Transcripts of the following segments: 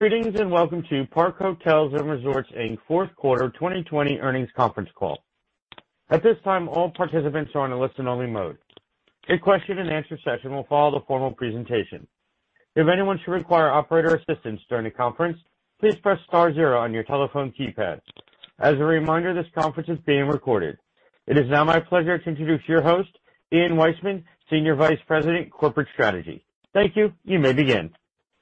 Greetings, welcome to Park Hotels & Resorts Inc., fourth quarter 2020 earnings conference call. At this time, all participants are on a listen-only mode. A question-and-answer session will follow the formal presentation. If anyone should require operator assistance during the conference, please press star zero on your telephone keypad. As a reminder, this conference is being recorded. It is now my pleasure to introduce your host, Ian Weissman, Senior Vice President, Corporate Strategy. Thank you. You may begin.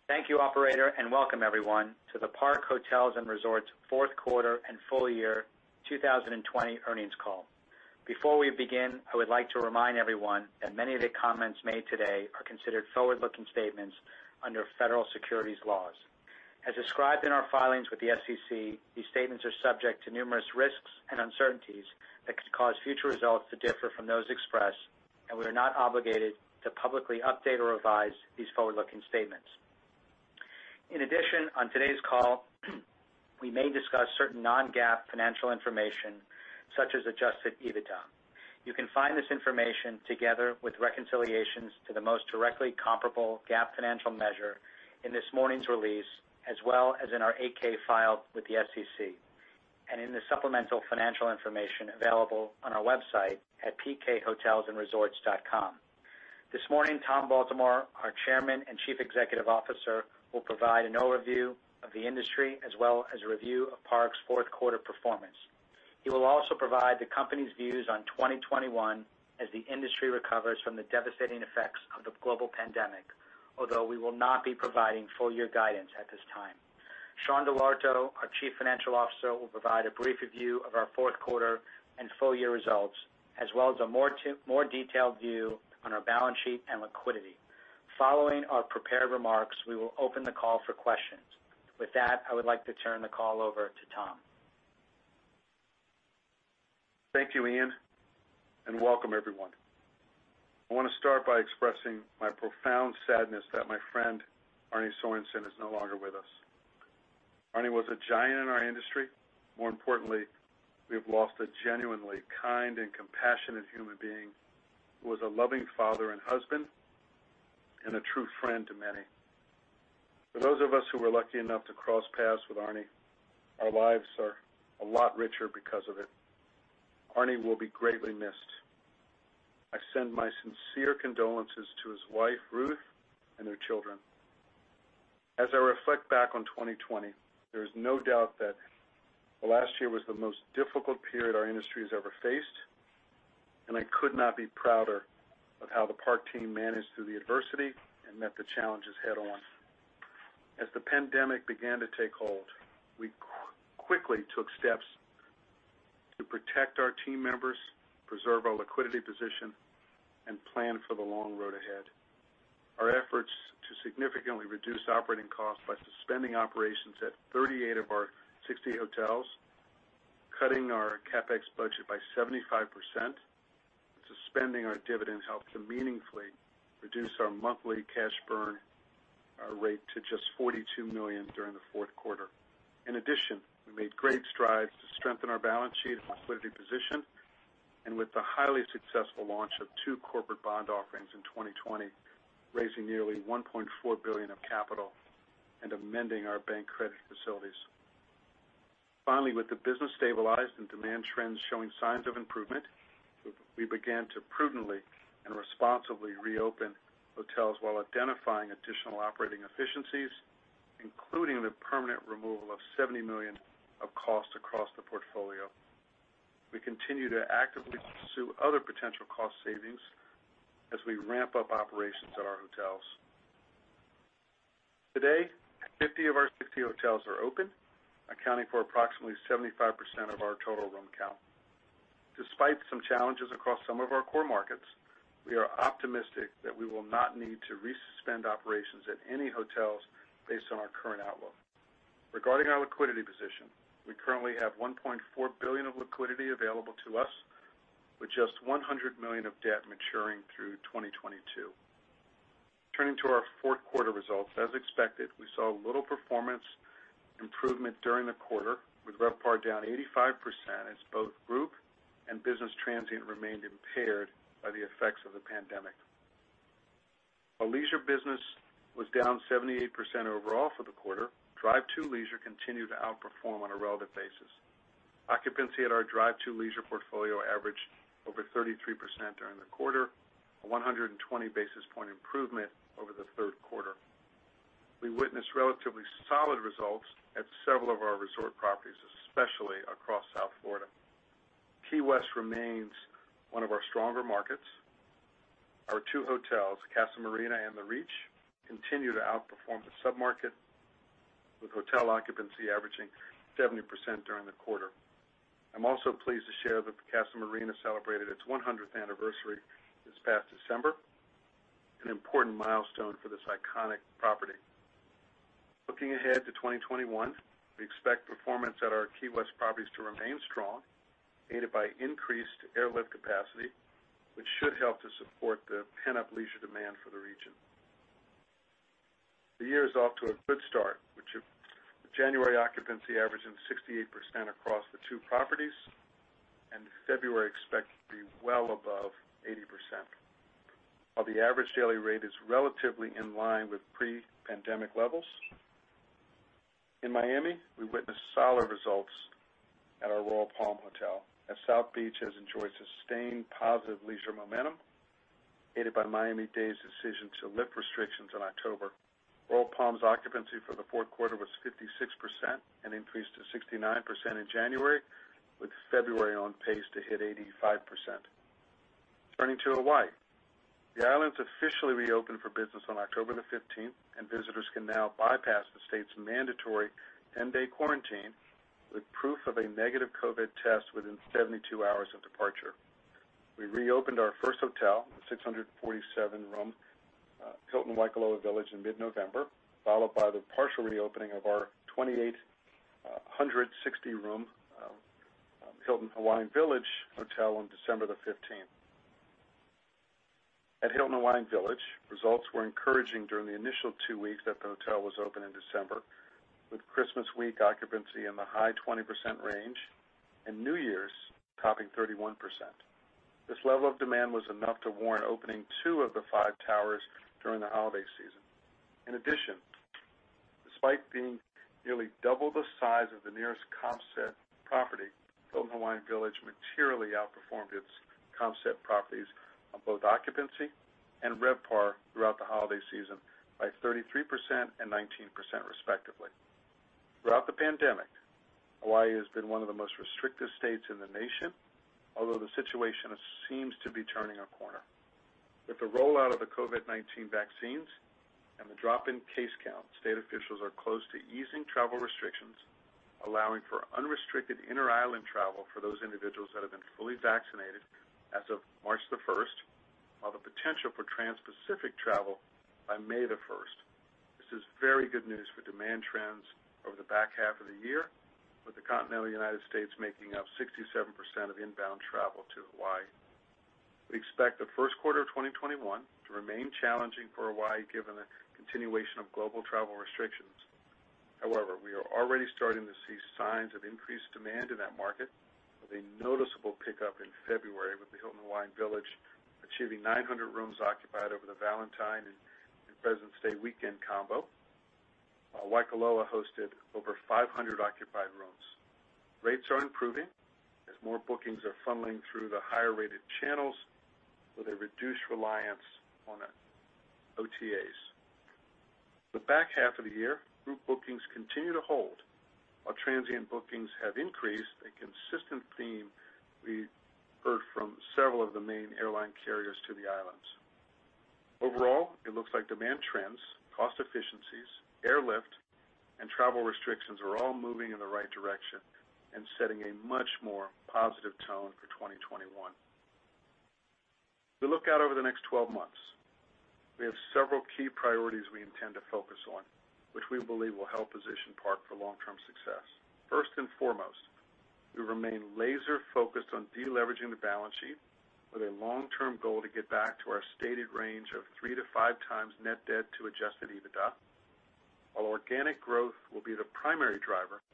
Thank you, operator, and welcome everyone to the Park Hotels & Resorts fourth quarter and full year 2020 earnings call. Before we begin, I would like to remind everyone that many of the comments made today are considered forward-looking statements under federal securities laws. As described in our filings with the SEC, these statements are subject to numerous risks and uncertainties that could cause future results to differ from those expressed, and we are not obligated to publicly update or revise these forward-looking statements. In addition, on today's call, we may discuss certain non-GAAP financial information such as adjusted EBITDA. You can find this information together with reconciliations to the most directly comparable GAAP financial measure in this morning's release, as well as in our 8-K filed with the SEC, and in the supplemental financial information available on our website at pkhotelsandresorts.com. This morning, Tom Baltimore, our Chairman and Chief Executive Officer, will provide an overview of the industry as well as a review of Park's fourth quarter performance. He will also provide the company's views on 2021 as the industry recovers from the devastating effects of the global pandemic. Although we will not be providing full year guidance at this time. Sean Dell'Orto, our Chief Financial Officer, will provide a brief review of our fourth quarter and full year results, as well as a more detailed view on our balance sheet and liquidity. Following our prepared remarks, we will open the call for questions. With that, I would like to turn the call over to Tom. Thank you, Ian, and welcome everyone. I want to start by expressing my profound sadness that my friend, Arne Sorenson, is no longer with us. Arne was a giant in our industry. More importantly, we've lost a genuinely kind and compassionate human being, who was a loving father and husband, and a true friend to many. For those of us who were lucky enough to cross paths with Arne, our lives are a lot richer because of it. Arne will be greatly missed. I send my sincere condolences to his wife, Ruth, and their children. As I reflect back on 2020, there is no doubt that the last year was the most difficult period our industry has ever faced, and I could not be prouder of how the Park team managed through the adversity and met the challenges head-on. As the pandemic began to take hold, we quickly took steps to protect our team members, preserve our liquidity position, and plan for the long road ahead. Our efforts to significantly reduce operating costs by suspending operations at 38 of our 60 hotels, cutting our CapEx budget by 75%, and suspending our dividend helped to meaningfully reduce our monthly cash burn rate to just $42 million during the fourth quarter. In addition, we made great strides to strengthen our balance sheet and liquidity position, with the highly successful launch of two corporate bond offerings in 2020, raising nearly $1.4 billion of capital and amending our bank credit facilities. Finally, with the business stabilized and demand trends showing signs of improvement, we began to prudently and responsibly reopen hotels while identifying additional operating efficiencies, including the permanent removal of $70 million of cost across the portfolio. We continue to actively pursue other potential cost savings as we ramp up operations at our hotels. Today, 50 of our 60 hotels are open, accounting for approximately 75% of our total room count. Despite some challenges across some of our core markets, we are optimistic that we will not need to resuspend operations at any hotels based on our current outlook. Regarding our liquidity position, we currently have $1.4 billion of liquidity available to us, with just $100 million of debt maturing through 2022. Turning to our fourth quarter results, as expected, we saw little performance improvement during the quarter, with RevPAR down 85% as both group and business transient remained impaired by the effects of the pandemic. While leisure business was down 78% overall for the quarter, drive-to leisure continued to outperform on a relative basis. Occupancy at our drive-to leisure portfolio averaged over 33% during the quarter, a 120 basis point improvement over the third quarter. We witnessed relatively solid results at several of our resort properties, especially across South Florida. Key West remains one of our stronger markets. Our two hotels, Casa Marina and The Reach, continue to outperform the sub-market, with hotel occupancy averaging 70% during the quarter. I'm also pleased to share that Casa Marina celebrated its 100th anniversary this past December, an important milestone for this iconic property. Looking ahead to 2021, we expect performance at our Key West properties to remain strong, aided by increased airlift capacity, which should help to support the pent-up leisure demand for the region. The year is off to a good start, with January occupancy averaging 68% across the two properties, and February expected to be well above 80%, while the average daily rate is relatively in line with pre-pandemic levels. In Miami, we witnessed solid results at our Royal Palm hotel, as South Beach has enjoyed sustained positive leisure momentum, aided by Miami-Dade's decision to lift restrictions in October. Royal Palm's occupancy for the fourth quarter was 56% and increased to 69% in January, with February on pace to hit 85%. Turning to Hawaii. The islands officially reopened for business on October the 15th, and visitors can now bypass the state's mandatory 10-day quarantine with proof of a negative COVID test within 72 hours of departure. We reopened our first hotel, the 647-room Hilton Waikoloa Village, in mid-November, followed by the partial reopening of our 2,860-room Hilton Hawaiian Village hotel on December the 15th. At Hilton Hawaiian Village, results were encouraging during the initial two weeks that the hotel was open in December, with Christmas week occupancy in the high 20% range and New Year's topping 31%. This level of demand was enough to warrant opening two of the five towers during the holiday season. In addition, despite being nearly double the size of the nearest comp set property, Hilton Hawaiian Village materially outperformed its comp set properties on both occupancy and RevPAR throughout the holiday season by 33% and 19%, respectively. Throughout the pandemic, Hawaii has been one of the most restrictive states in the nation, although the situation seems to be turning a corner. With the rollout of the COVID-19 vaccines and the drop in case count, state officials are close to easing travel restrictions, allowing for unrestricted inter-island travel for those individuals that have been fully vaccinated as of March the 1st, while the potential for transpacific travel by May the 1st. This is very good news for demand trends over the back half of the year, with the continental United States making up 67% of inbound travel to Hawaii. We expect the first quarter of 2021 to remain challenging for Hawaii, given the continuation of global travel restrictions. We are already starting to see signs of increased demand in that market, with a noticeable pickup in February, with the Hilton Hawaiian Village achieving 900 rooms occupied over the Valentine's and Presidents' Day weekend combo, while Waikoloa hosted over 500 occupied rooms. Rates are improving as more bookings are funneling through the higher-rated channels with a reduced reliance on OTAs. The back half of the year, group bookings continue to hold while transient bookings have increased, a consistent theme we've heard from several of the main airline carriers to the islands. Overall, it looks like demand trends, cost efficiencies, airlift, and travel restrictions are all moving in the right direction and setting a much more positive tone for 2021. We look out over the next 12 months. We have several key priorities we intend to focus on, which we believe will help position Park for long-term success. First and foremost, we remain laser-focused on de-leveraging the balance sheet with a long-term goal to get back to our stated range of 3x-5x net debt to adjusted EBITDA. While organic growth will be the primary driver,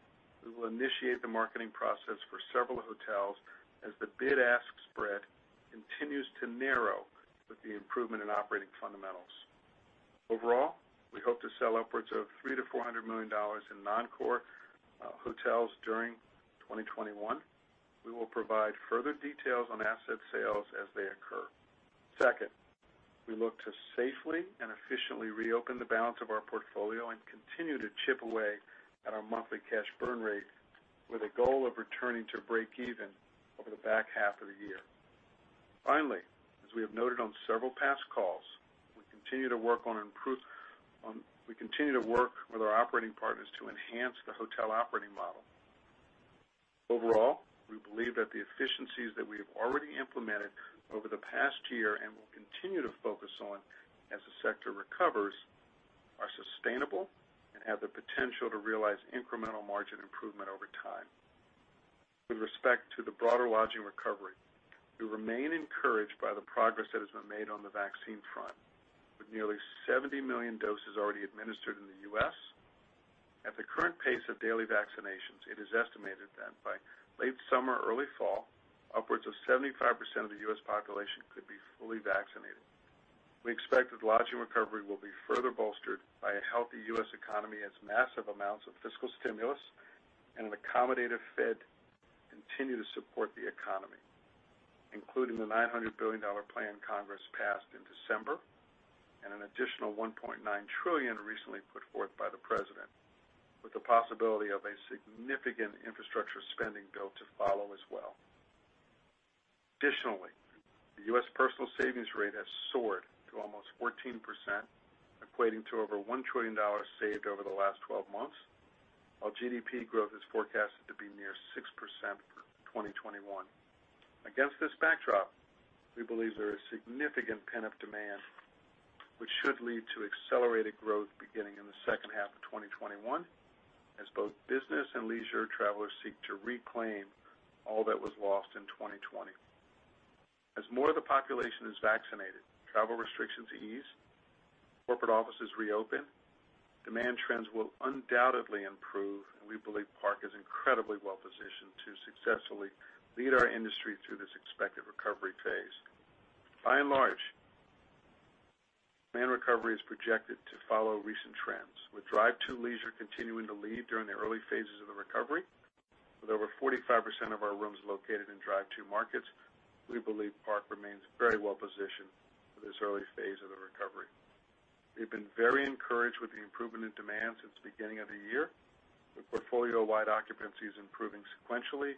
we will initiate the marketing process for several hotels as the bid-ask spread continues to narrow with the improvement in operating fundamentals. Overall, we hope to sell upwards of $300 million-$400 million in non-core hotels during 2021. We will provide further details on asset sales as they occur. Second, we look to safely and efficiently reopen the balance of our portfolio and continue to chip away at our monthly cash burn rate with a goal of returning to breakeven over the back half of the year. Finally, as we have noted on several past calls, we continue to work with our operating partners to enhance the hotel operating model. Overall, we believe that the efficiencies that we have already implemented over the past year and will continue to focus on as the sector recovers, are sustainable and have the potential to realize incremental margin improvement over time. With respect to the broader lodging recovery, we remain encouraged by the progress that has been made on the vaccine front, with nearly 70 million doses already administered in the U.S. At the current pace of daily vaccinations, it is estimated that by late summer or early fall, upwards of 75% of the U.S. population could be fully vaccinated. We expect that lodging recovery will be further bolstered by a healthy U.S. economy as massive amounts of fiscal stimulus and an accommodative Fed continue to support the economy, including the $900 billion plan Congress passed in December and an additional $1.9 trillion recently put forth by the President, with the possibility of a significant infrastructure spending bill to follow as well. Additionally, the U.S. personal savings rate has soared to almost 14%, equating to over $1 trillion saved over the last 12 months, while GDP growth is forecasted to be near 6% for 2021. Against this backdrop, we believe there is significant pent-up demand, which should lead to accelerated growth beginning in the second half of 2021, as both business and leisure travelers seek to reclaim all that was lost in 2020. As more of the population is vaccinated, travel restrictions ease, corporate offices reopen, demand trends will undoubtedly improve. We believe Park is incredibly well-positioned to successfully lead our industry through this expected recovery phase. By and large, demand recovery is projected to follow recent trends, with drive-to leisure continuing to lead during the early phases of the recovery. With over 45% of our rooms located in drive-to markets, we believe Park remains very well-positioned for this early phase of the recovery. We've been very encouraged with the improvement in demand since the beginning of the year, with portfolio-wide occupancies improving sequentially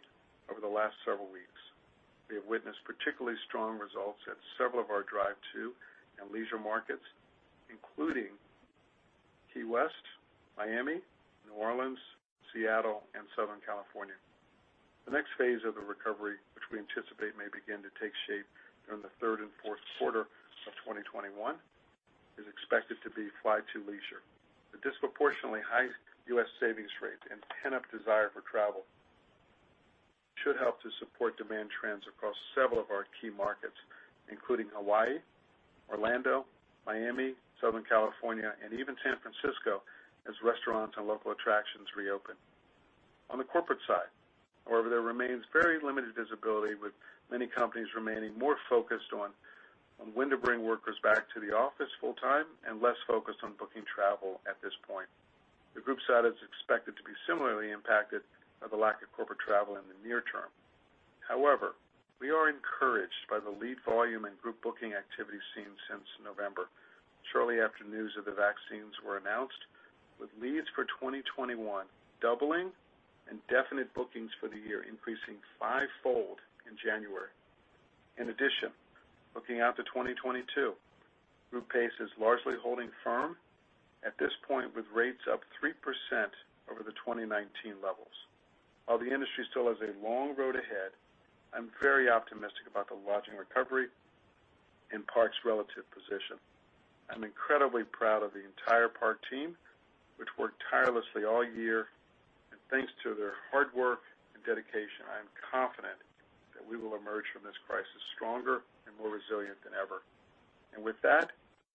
over the last several weeks. We have witnessed particularly strong results at several of our drive-to and leisure markets, including Key West, Miami, New Orleans, Seattle, and Southern California. The next phase of the recovery, which we anticipate may begin to take shape during the third and fourth quarter of 2021, is expected to be fly-to leisure. The disproportionately high U.S. savings rate and pent-up desire for travel should help to support demand trends across several of our key markets, including Hawaii, Orlando, Miami, Southern California, and even San Francisco, as restaurants and local attractions reopen. On the corporate side, however, there remains very limited visibility, with many companies remaining more focused on when to bring workers back to the office full time and less focused on booking travel at this point. The group side is expected to be similarly impacted by the lack of corporate travel in the near term. However, we are encouraged by the lead volume and group booking activity seen since November, shortly after news of the vaccines were announced, with leads for 2021 doubling and definite bookings for the year increasing fivefold in January. In addition, looking out to 2022, group pace is largely holding firm at this point, with rates up 3% over the 2019 levels. While the industry still has a long road ahead, I'm very optimistic about the lodging recovery and Park's relative position. I'm incredibly proud of the entire Park team, which worked tirelessly all year. Thanks to their hard work and dedication, I am confident that we will emerge from this crisis stronger and more resilient than ever. With that,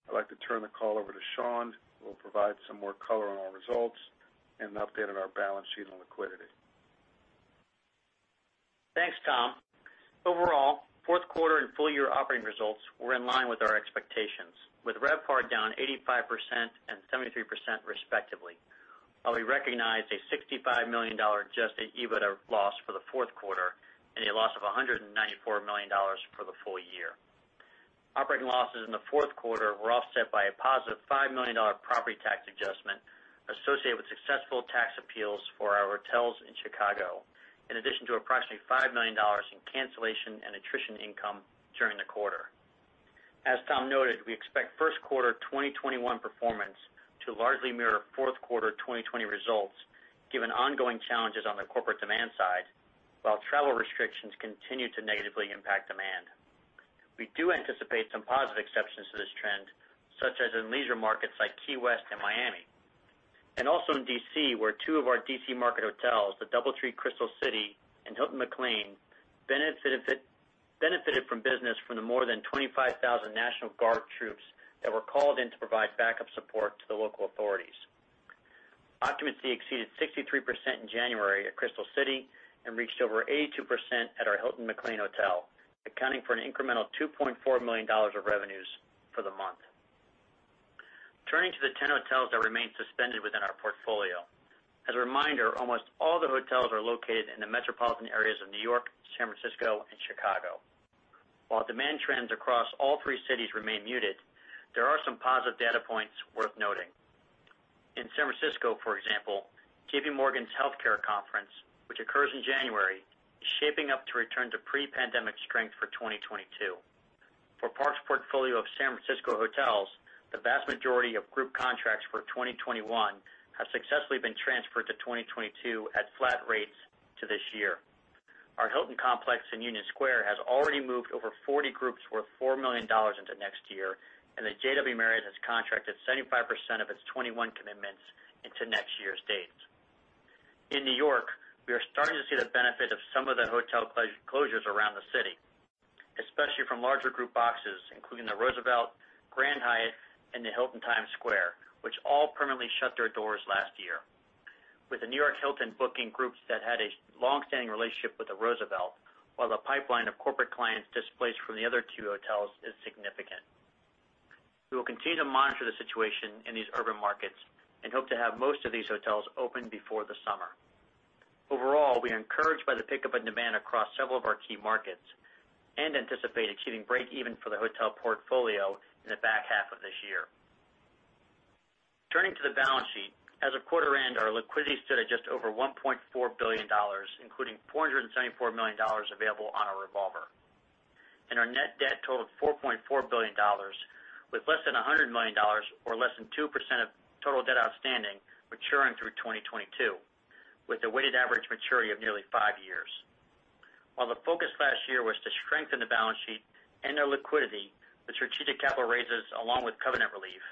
I'd like to turn the call over to Sean, who will provide some more color on our results and an update on our balance sheet and liquidity. Thanks, Tom. Overall, fourth quarter and full-year operating results were in line with our expectations, with RevPAR down 85% and 73%, respectively. While we recognized a $65 million adjusted EBITDA loss for the fourth quarter and a loss of $194 million for the full year. Operating losses in the fourth quarter were offset by a positive $5 million property tax adjustment associated with successful tax appeals for our hotels in Chicago, in addition to approximately $5 million in cancellation and attrition income during the quarter. As Tom noted, we expect first quarter 2021 performance to largely mirror fourth quarter 2020 results, given ongoing challenges on the corporate demand side, while travel restrictions continue to negatively impact demand. We do anticipate some positive exceptions to this trend, such as in leisure markets like Key West and Miami. Also in D.C., where two of our D.C. market hotels, the DoubleTree Crystal City and Hilton McLean, benefited from business from the more than 25,000 National Guard troops that were called in to provide backup support to the local authorities. Occupancy exceeded 63% in January at Crystal City and reached over 82% at our Hilton McLean hotel, accounting for an incremental $2.4 million of revenues for the month. Turning to the 10 hotels that remain suspended within our portfolio. As a reminder, almost all the hotels are located in the metropolitan areas of New York, San Francisco, and Chicago. While demand trends across all three cities remain muted, there are some positive data points worth noting. In San Francisco, for example, JPMorgan's Healthcare Conference, which occurs in January, is shaping up to return to pre-pandemic strength for 2022. For Park's portfolio of San Francisco hotels, the vast majority of group contracts for 2021 have successfully been transferred to 2022 at flat rates to this year. Our Hilton complex in Union Square has already moved over 40 groups worth $4 million into next year, and the JW Marriott has contracted 75% of its 2021 commitments into next year's dates. In New York, we are starting to see the benefit of some of the hotel closures around the city, especially from larger group boxes, including the Roosevelt, Grand Hyatt, and the Hilton Times Square, which all permanently shut their doors last year. With the New York Hilton booking groups that had a long-standing relationship with the Roosevelt, while the pipeline of corporate clients displaced from the other two hotels is significant. We will continue to monitor the situation in these urban markets and hope to have most of these hotels open before the summer. Overall, we are encouraged by the pickup in demand across several of our key markets and anticipate achieving breakeven for the hotel portfolio in the back half of this year. Turning to the balance sheet. As of quarter end, our liquidity stood at just over $1.4 billion, including $474 million available on our revolver. Our net debt totaled $4.4 billion, with less than $100 million or less than 2% of total debt outstanding maturing through 2022, with a weighted average maturity of nearly five years. While the focus last year was to strengthen the balance sheet and our liquidity with strategic capital raises along with covenant relief,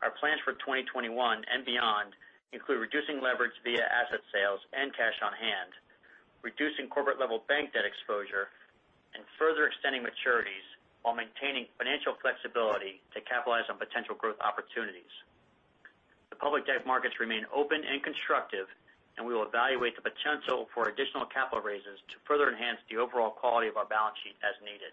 our plans for 2021 and beyond include reducing leverage via asset sales and cash on hand, reducing corporate-level bank debt exposure. Further extending maturities while maintaining financial flexibility to capitalize on potential growth opportunities. The public debt markets remain open and constructive. We will evaluate the potential for additional capital raises to further enhance the overall quality of our balance sheet as needed.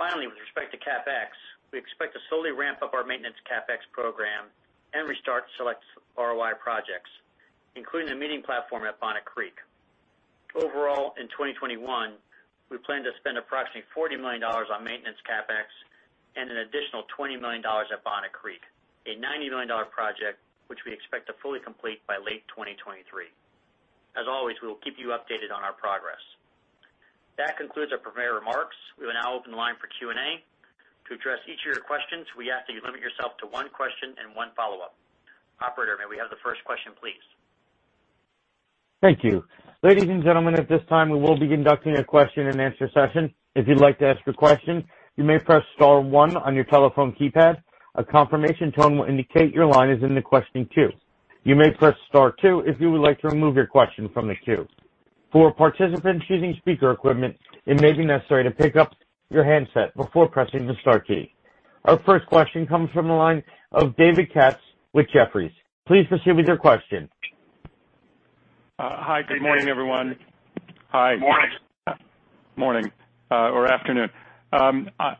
Finally, with respect to CapEx, we expect to slowly ramp up our maintenance CapEx program and restart select ROI projects, including the meeting platform at Bonnet Creek. Overall, in 2021, we plan to spend approximately $40 million on maintenance CapEx and an additional $20 million at Bonnet Creek, a $90 million project which we expect to fully complete by late 2023. As always, we will keep you updated on our progress. That concludes our prepared remarks. We will now open the line for Q&A. To address each of your questions, we ask that you limit yourself to one question and one follow-up. Operator, may we have the first question, please? Thank you. Ladies and gentlemen, at this time we will be conducting a question-and-answer session. If you'd like to ask a question, you may press star one on your telephone keypad. A confirmation tone will indicate your line is in the question queue. You may press star two if you would like to remove your question from this queue. For participants using speaker equipment, it may be necessary to pick up your handset before pressing the star key. Our first question comes from the line of David Katz with Jefferies. Please proceed with your question. Hi, good morning, everyone. Hi. Morning. Morning, or afternoon. I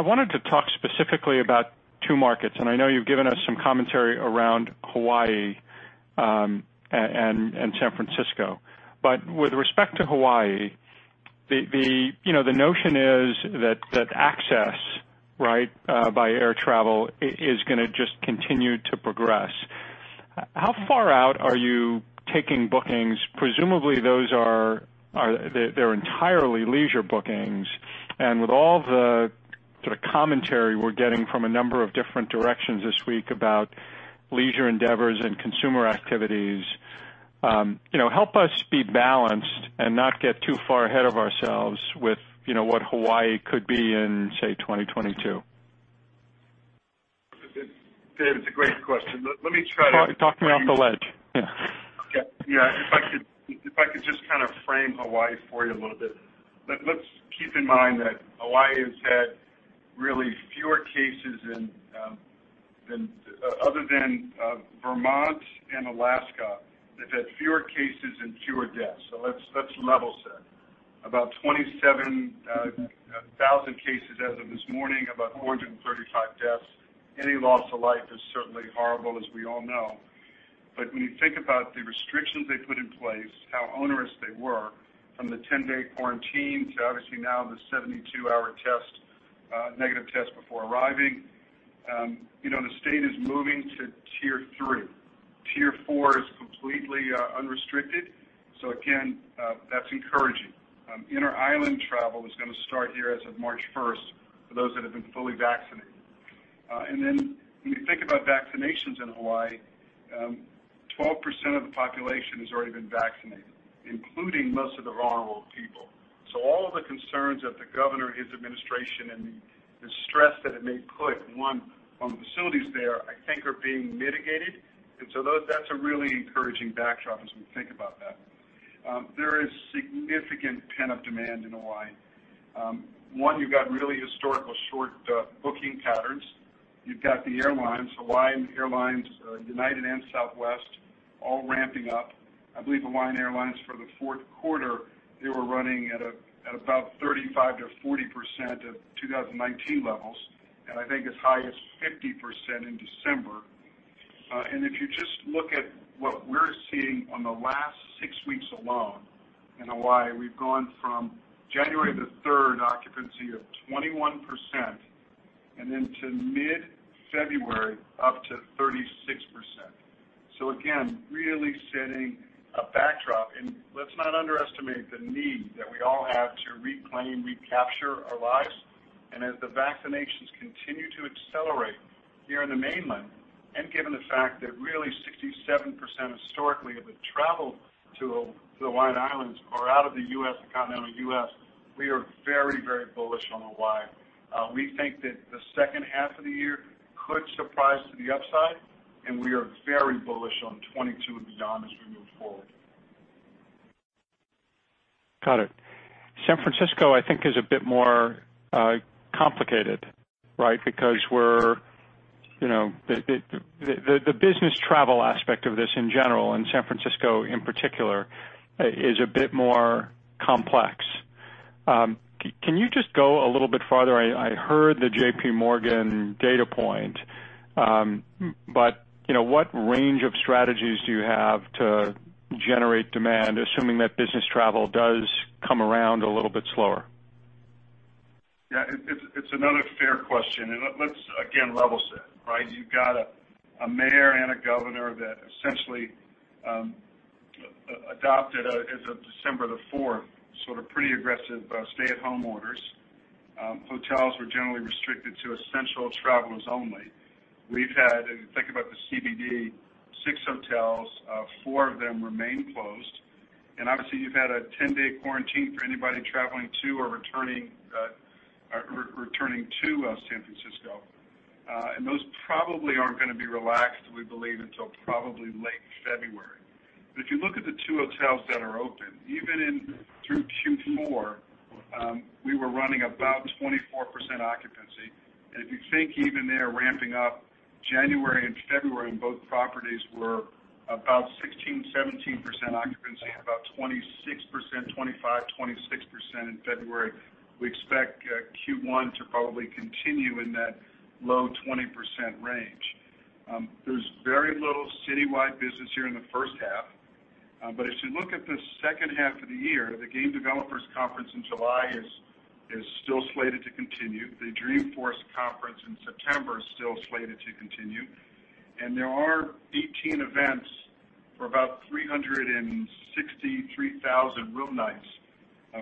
wanted to talk specifically about two markets, and I know you've given us some commentary around Hawaii and San Francisco. With respect to Hawaii, the notion is that access by air travel is going to just continue to progress. How far out are you taking bookings? Presumably those are entirely leisure bookings, and with all the commentary we're getting from a number of different directions this week about leisure endeavors and consumer activities, help us be balanced and not get too far ahead of ourselves with what Hawaii could be in, say, 2022. David, it's a great question. Talk me off the ledge, yeah. Okay. Yeah, if I could just frame Hawaii for you a little bit. Let's keep in mind that Hawaii has had really fewer cases other than Vermont and Alaska, they've had fewer cases and fewer deaths. Let's level set. About 27,000 cases as of this morning, about 435 deaths. Any loss of life is certainly horrible, as we all know. When you think about the restrictions they put in place, how onerous they were, from the 10-day quarantine to obviously now the 72-hour negative test before arriving. The state is moving to Tier 3. Tier 4 is completely unrestricted. Again, that's encouraging. Inter-island travel is going to start here as of March 1st for those that have been fully vaccinated. When you think about vaccinations in Hawaii, 12% of the population has already been vaccinated, including most of the vulnerable people. All the concerns that the governor, his administration, and the stress that it may put, one, on the facilities there, I think are being mitigated. That's a really encouraging backdrop as we think about that. There is significant pent-up demand in Hawaii. One, you've got really historical short booking patterns. You've got the airlines, Hawaiian Airlines, United and Southwest, all ramping up. I believe Hawaiian Airlines for the fourth quarter, they were running at about 35%-40% of 2019 levels, and I think as high as 50% in December. If you just look at what we're seeing on the last six weeks alone in Hawaii, we've gone from January the 3rd occupancy of 21%, and then to mid-February, up to 36%. Again, really setting a backdrop, and let's not underestimate the need that we all have to reclaim, recapture our lives. As the vaccinations continue to accelerate here in the mainland, and given the fact that really 67% historically have traveled to the Hawaiian Islands are out of the continental U.S., we are very bullish on Hawaii. We think that the second half of the year could surprise to the upside. We are very bullish on 2022 and beyond as we move forward. Got it. San Francisco, I think is a bit more complicated. The business travel aspect of this in general, and San Francisco in particular, is a bit more complex. Can you just go a little bit farther? I heard the JPMorgan data point, but what range of strategies do you have to generate demand, assuming that business travel does come around a little bit slower? Yeah. It's another fair question. Let's again level set. You've got a mayor and a governor that essentially adopted, as of December the 4th, pretty aggressive stay-at-home orders. Hotels were generally restricted to essential travelers only. We've had, if you think about the CBD, six hotels, four of them remain closed. Obviously, you've had a 10-day quarantine for anybody traveling to or returning Turning to San Francisco, those probably aren't going to be relaxed, we believe, until probably late February. If you look at the two hotels that are open, even through Q4, we were running about 24% occupancy. If you think even there ramping up January and February, both properties were about 16%, 17% occupancy, about 26%, 25%, 26% in February. We expect Q1 to probably continue in that low 20% range. There's very little citywide business here in the first half. As you look at the second half of the year, the Game Developers Conference in July is still slated to continue. The Dreamforce Conference in September is still slated to continue, and there are 18 events for about 363,000 room nights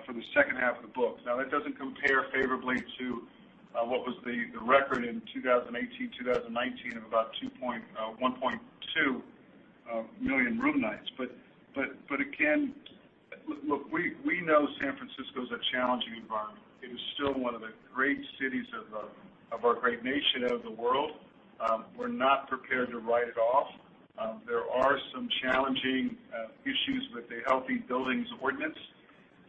for the second half of the book. That doesn't compare favorably to what was the record in 2018-2019 of about 1.2 million room nights. We know San Francisco's a challenging environment. It is still one of the great cities of our great nation, out of the world. We're not prepared to write it off. There are some challenging issues with the Healthy Buildings Ordinance,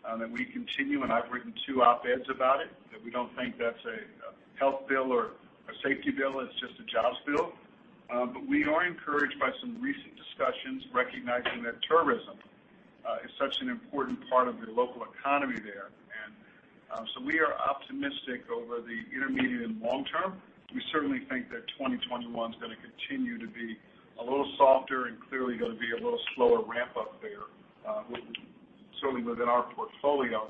that we continue, and I've written two op-eds about it, that we don't think that's a health bill or a safety bill. It's just a jobs bill. We are encouraged by some recent discussions recognizing that tourism is such an important part of the local economy there. We are optimistic over the intermediate and long term. We certainly think that 2021's going to continue to be a little softer and clearly going to be a little slower ramp up there, certainly within our portfolio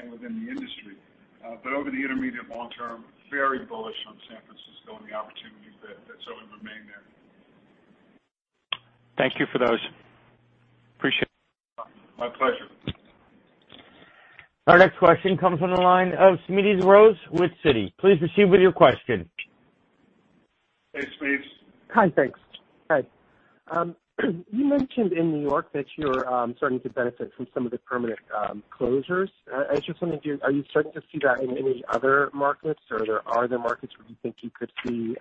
and within the industry. Over the intermediate and long term, very bullish on San Francisco and the opportunities that certainly remain there. Thank you for those. Appreciate it. My pleasure. Our next question comes from the line of Smedes Rose with Citi. Please proceed with your question. Hey, Smedes. Hi, thanks. Hi. You mentioned in New York that you're starting to benefit from some of the permanent closures. I just wondered, are you starting to see that in any other markets, or are there markets where you think you could see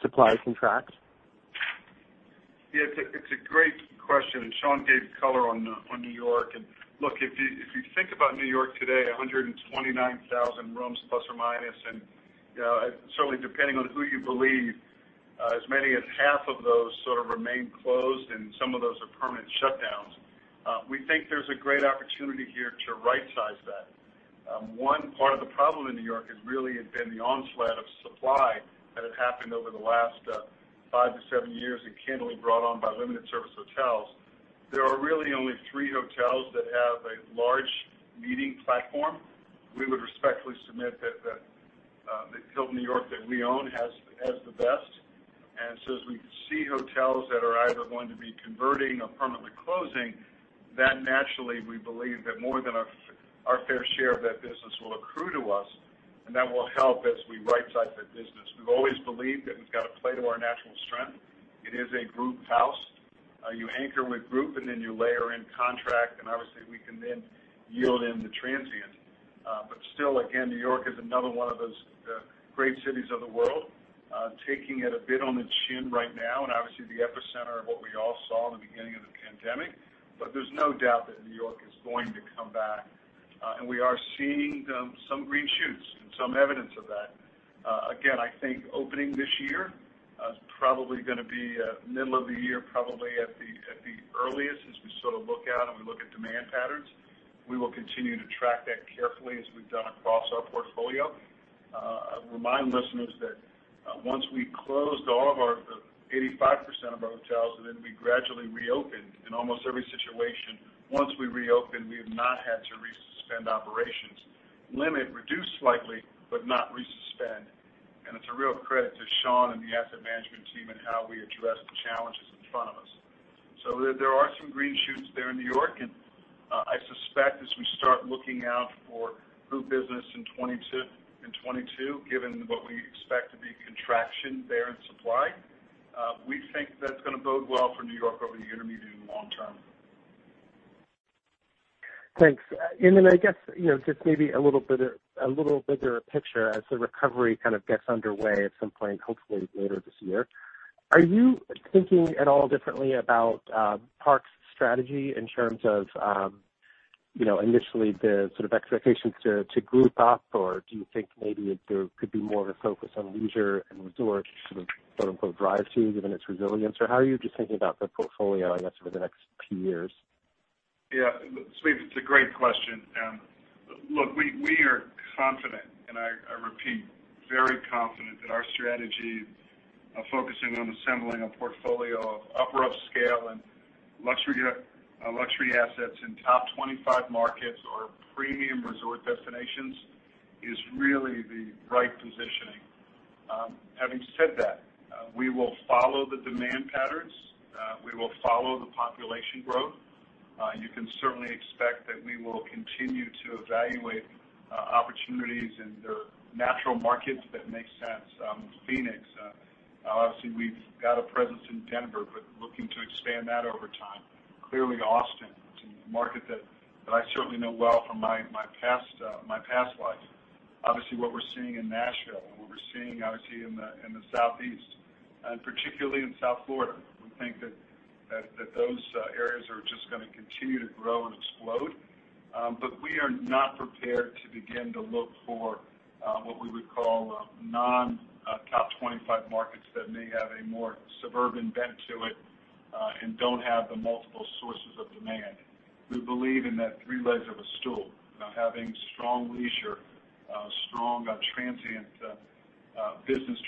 supply contract? Yeah, it's a great question, and Sean gave color on New York. Look, if you think about New York today, 129,000 rooms, plus or minus, and certainly depending on who you believe, as many as half of those sort of remain closed, and some of those are permanent shutdowns. We think there's a great opportunity here to rightsize that. One part of the problem in New York has really been the onslaught of supply that had happened over the last five to seven years and candidly brought on by limited-service hotels. There are really only three hotels that have a large meeting platform. We would respectfully submit that the Hilton New York that we own has the best. As we see hotels that are either going to be converting or permanently closing, that naturally, we believe that more than our fair share of that business will accrue to us, and that will help as we rightsize the business. We've always believed that we've got to play to our natural strength. It is a group house. You anchor with group, and then you layer in contract, and obviously, we can then yield in the transient. Still, again, New York is another one of those great cities of the world, taking it a bit on the chin right now, and obviously the epicenter of what we all saw in the beginning of the pandemic. There's no doubt that New York is going to come back. We are seeing some green shoots and some evidence of that. I think opening this year is probably going to be middle of the year, probably at the earliest, as we sort of look out and we look at demand patterns. We will continue to track that carefully as we've done across our portfolio. I remind listeners that once we closed 85% of our hotels, and then we gradually reopened, in almost every situation, once we reopened, we have not had to resuspend operations. Limit reduced slightly, but not resuspend. It's a real credit to Sean and the asset management team in how we address the challenges in front of us. There are some green shoots there in New York, and I suspect as we start looking out for group business in 2022, given what we expect to be contraction there in supply, we think that's going to bode well for New York over the intermediate and long term. Thanks. Then I guess, just maybe a little bigger picture as the recovery kind of gets underway at some point, hopefully later this year. Are you thinking at all differently about Park's strategy in terms of initially the sort of expectations to group up? Do you think maybe there could be more of a focus on leisure and resort to sort of, quote-unquote, "drive to," given its resilience? How are you just thinking about the portfolio, I guess, over the next two years? Yeah. Smedes, it's a great question. Look, we are confident, and I repeat, very confident that our strategy of focusing on assembling a portfolio of upper upscale and luxury assets in Top 25 markets or premium resort destinations is really the right positioning. Having said that, we will follow the demand patterns. We will follow the population growth. You can certainly expect that we will continue to evaluate opportunities in the natural markets that make sense. Phoenix. Obviously, we've got a presence in Denver, but looking to expand that over time. Austin. It's a market that I certainly know well from my past life. What we're seeing in Nashville and what we're seeing, obviously, in the Southeast, and particularly in South Florida. We think that those areas are just going to continue to grow and explode. We are not prepared to begin to look for what we would call non-Top 25 markets that may have a more suburban bent to it and don't have the multiple sources of demand. We believe in that three legs of a stool, having strong leisure, strong business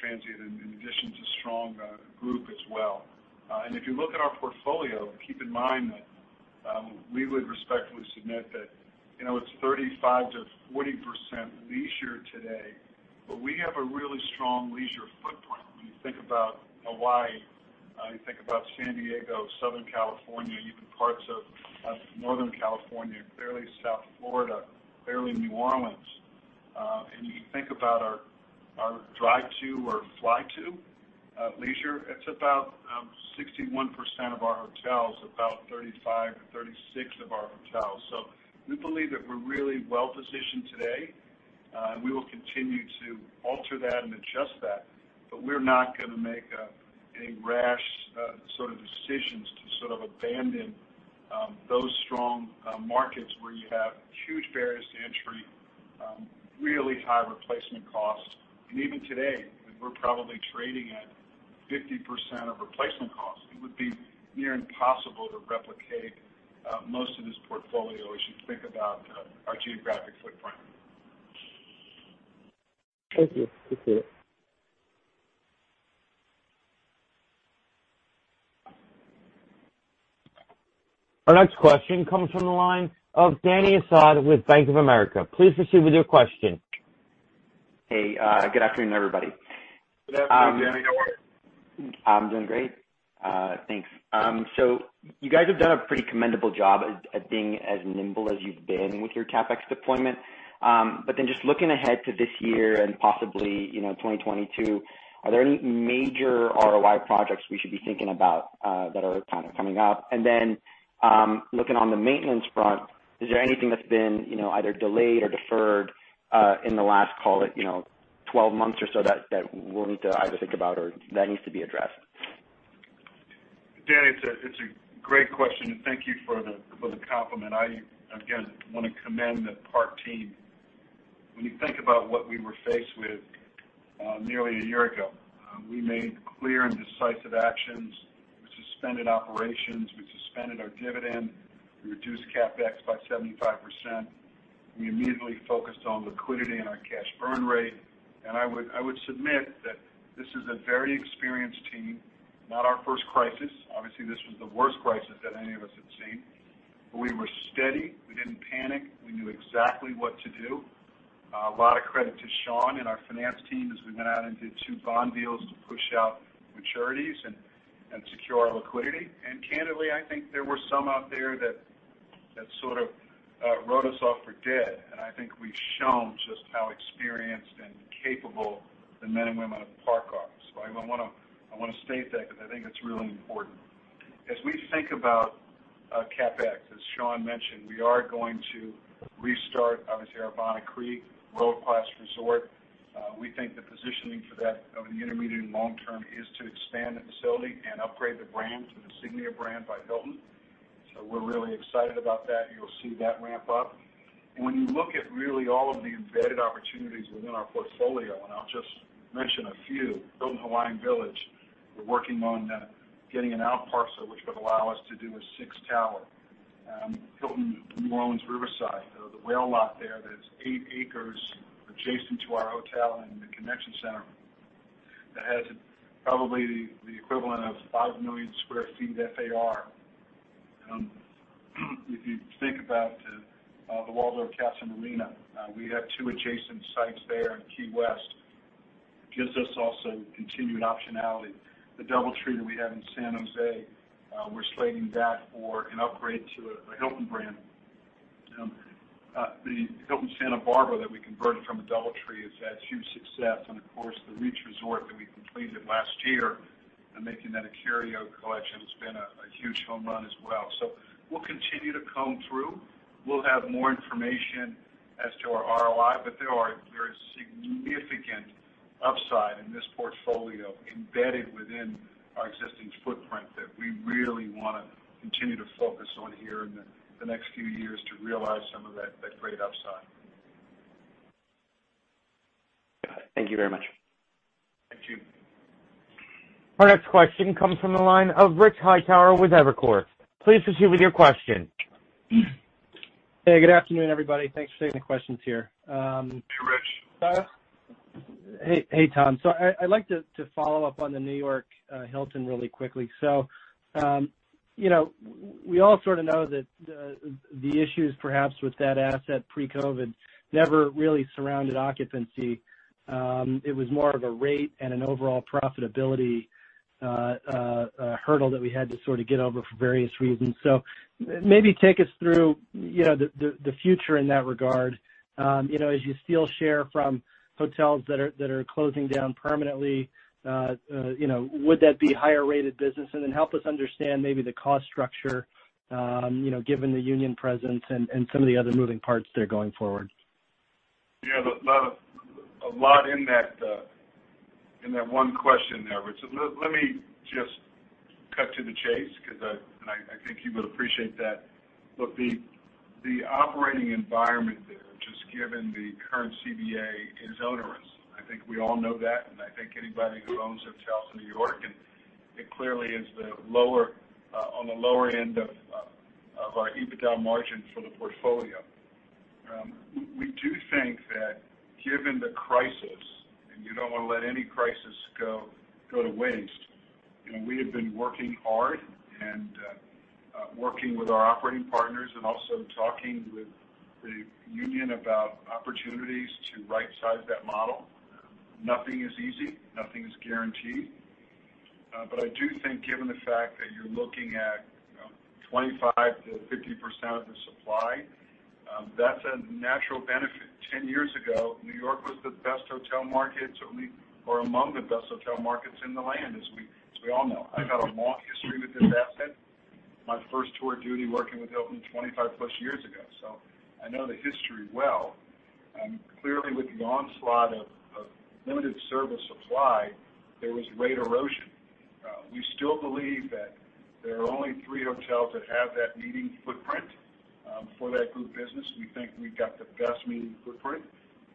transient, in addition to strong group as well. If you look at our portfolio, keep in mind that we would respectfully submit that it's 35%-40% leisure today, but we have a really strong leisure footprint when you think about Hawaii, you think about San Diego, Southern California, even parts of Northern California, fairly South Florida, fairly New Orleans. You think about our drive to or fly to leisure, it's about 61% of our hotels, about 35% or 36% of our hotels. We believe that we're really well-positioned today, and we will continue to alter that and adjust that, but we're not going to make any rash sort of decisions to sort of abandon those strong markets where you have huge barriers to entry, really high replacement costs. Even today, we're probably trading at 50% of replacement costs. It would be near impossible to replicate most of this portfolio as you think about our geographic footprint. Thank you. Appreciate it. Our next question comes from the line of Dany Asad with Bank of America. Please proceed with your question. Hey, good afternoon, everybody. Good afternoon, Dany. How are you? I'm doing great. Thanks. You guys have done a pretty commendable job at being as nimble as you've been with your CapEx deployment. Just looking ahead to this year and possibly 2022, are there any major ROI projects we should be thinking about that are kind of coming up? Looking on the maintenance front, is there anything that's been either delayed or deferred in the last, call it, 12 months or so that we'll need to either think about or that needs to be addressed? Dany, it's a great question, and thank you for the compliment. I, again, want to commend the Park team. When you think about what we were faced with nearly a year ago, we made clear and decisive actions. We suspended operations, we suspended our dividend, we reduced CapEx by 75%. We immediately focused on liquidity and our cash burn rate, and I would submit that this is a very experienced team, not our first crisis. Obviously, this was the worst crisis that any of us had seen, but we were steady. We didn't panic. We knew exactly what to do. A lot of credit to Sean and our finance team as we went out and did two bond deals to push out maturities and secure our liquidity. Candidly, I think there were some out there that sort of wrote us off for dead, and I think we've shown just how experienced and capable the men and women of Park are. I want to state that because I think it's really important. As we think about CapEx, as Sean mentioned, we are going to restart, obviously, Bonnet Creek, world-class resort. We think the positioning for that over the intermediate and long term is to expand the facility and upgrade the brand to the Signia brand by Hilton. We're really excited about that. You'll see that ramp up. When you look at really all of the embedded opportunities within our portfolio, I'll just mention a few, Hilton Hawaiian Village, we're working on getting an out parcel, which would allow us to do a sixth tower. Hilton New Orleans Riverside, the Whale Lot there that's eight acres adjacent to our hotel and the convention center that has probably the equivalent of 5 million square feet of FAR. If you think about the Waldorf Casa Marina, we have two adjacent sites there in Key West. Gives us also continued optionality. The DoubleTree that we have in San Jose, we're slating that for an upgrade to a Hilton brand. The Hilton Santa Barbara that we converted from a DoubleTree has had huge success, and of course, The Reach that we completed last year and making that a Curio Collection has been a huge home run as well. We'll continue to comb through. We'll have more information as to our ROI. There is significant upside in this portfolio embedded within our existing footprint that we really want to continue to focus on here in the next few years to realize some of that great upside. Got it. Thank you very much. Thank you. Our next question comes from the line of Rich Hightower with Evercore. Please proceed with your question. Hey, good afternoon, everybody. Thanks for taking the questions here. Hey, Rich. Hey, Tom. I'd like to follow up on the New York Hilton really quickly. We all sort of know that the issues perhaps with that asset pre-COVID never really surrounded occupancy. It was more of a rate and an overall profitability a hurdle that we had to sort of get over for various reasons. Maybe take us through the future in that regard. As you steal share from hotels that are closing down permanently, would that be higher-rated business? Help us understand maybe the cost structure given the union presence and some of the other moving parts there going forward. Yeah. A lot in that one question there, Rich. Let me just cut to the chase, because I think you would appreciate that. Look, the operating environment there, just given the current CBA, is onerous. I think we all know that, and I think anybody who owns hotels in New York, and it clearly is on the lower end of our EBITDA margin for the portfolio. We do think that given the crisis, and you don't want to let any crisis go to waste, we have been working hard and working with our operating partners and also talking with the union about opportunities to rightsize that model. Nothing is easy, nothing is guaranteed. I do think given the fact that you're looking at 25%-50% of the supply, that's a natural benefit. 10 years ago, New York was the best hotel market, or among the best hotel markets in the land, as we all know. I've got a long history with this asset. My first tour of duty working with Hilton 25+ years ago, I know the history well. Clearly, with the onslaught of limited-service supply, there was rate erosion. We still believe that there are only three hotels that have that meeting footprint for that group business. We think we've got the best meeting footprint,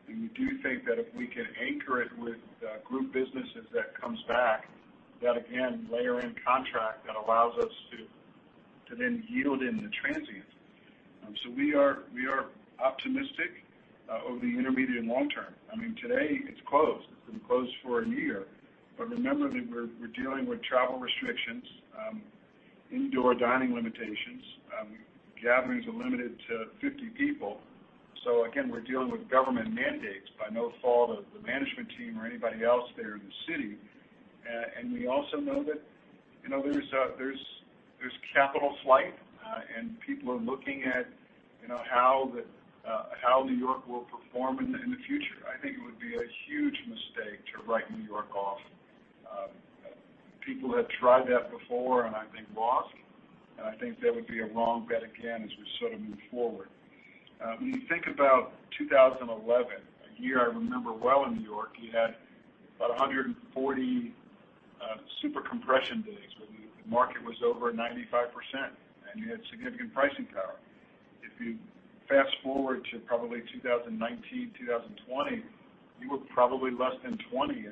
and we do think that if we can anchor it with group business as that comes back, that again, layer in contract that allows us to then yield into transient. We are optimistic over the intermediate and long term. I mean, today it's closed. It's been closed for a year. Remember that we're dealing with travel restrictions, indoor dining limitations. Gatherings are limited to 50 people. Again, we're dealing with government mandates by no fault of the management team or anybody else there in the city. We also know that there's capital flight, and people are looking at how New York will perform in the future. I think it would be a huge mistake to write New York off. People have tried that before, and I think lost, and I think that would be a wrong bet again as we sort of move forward. When you think about 2011, a year I remember well in New York, you had about 140 super compression days where the market was over 95%, and you had significant pricing power. If you fast-forward to probably 2019, 2020, you were probably less than 20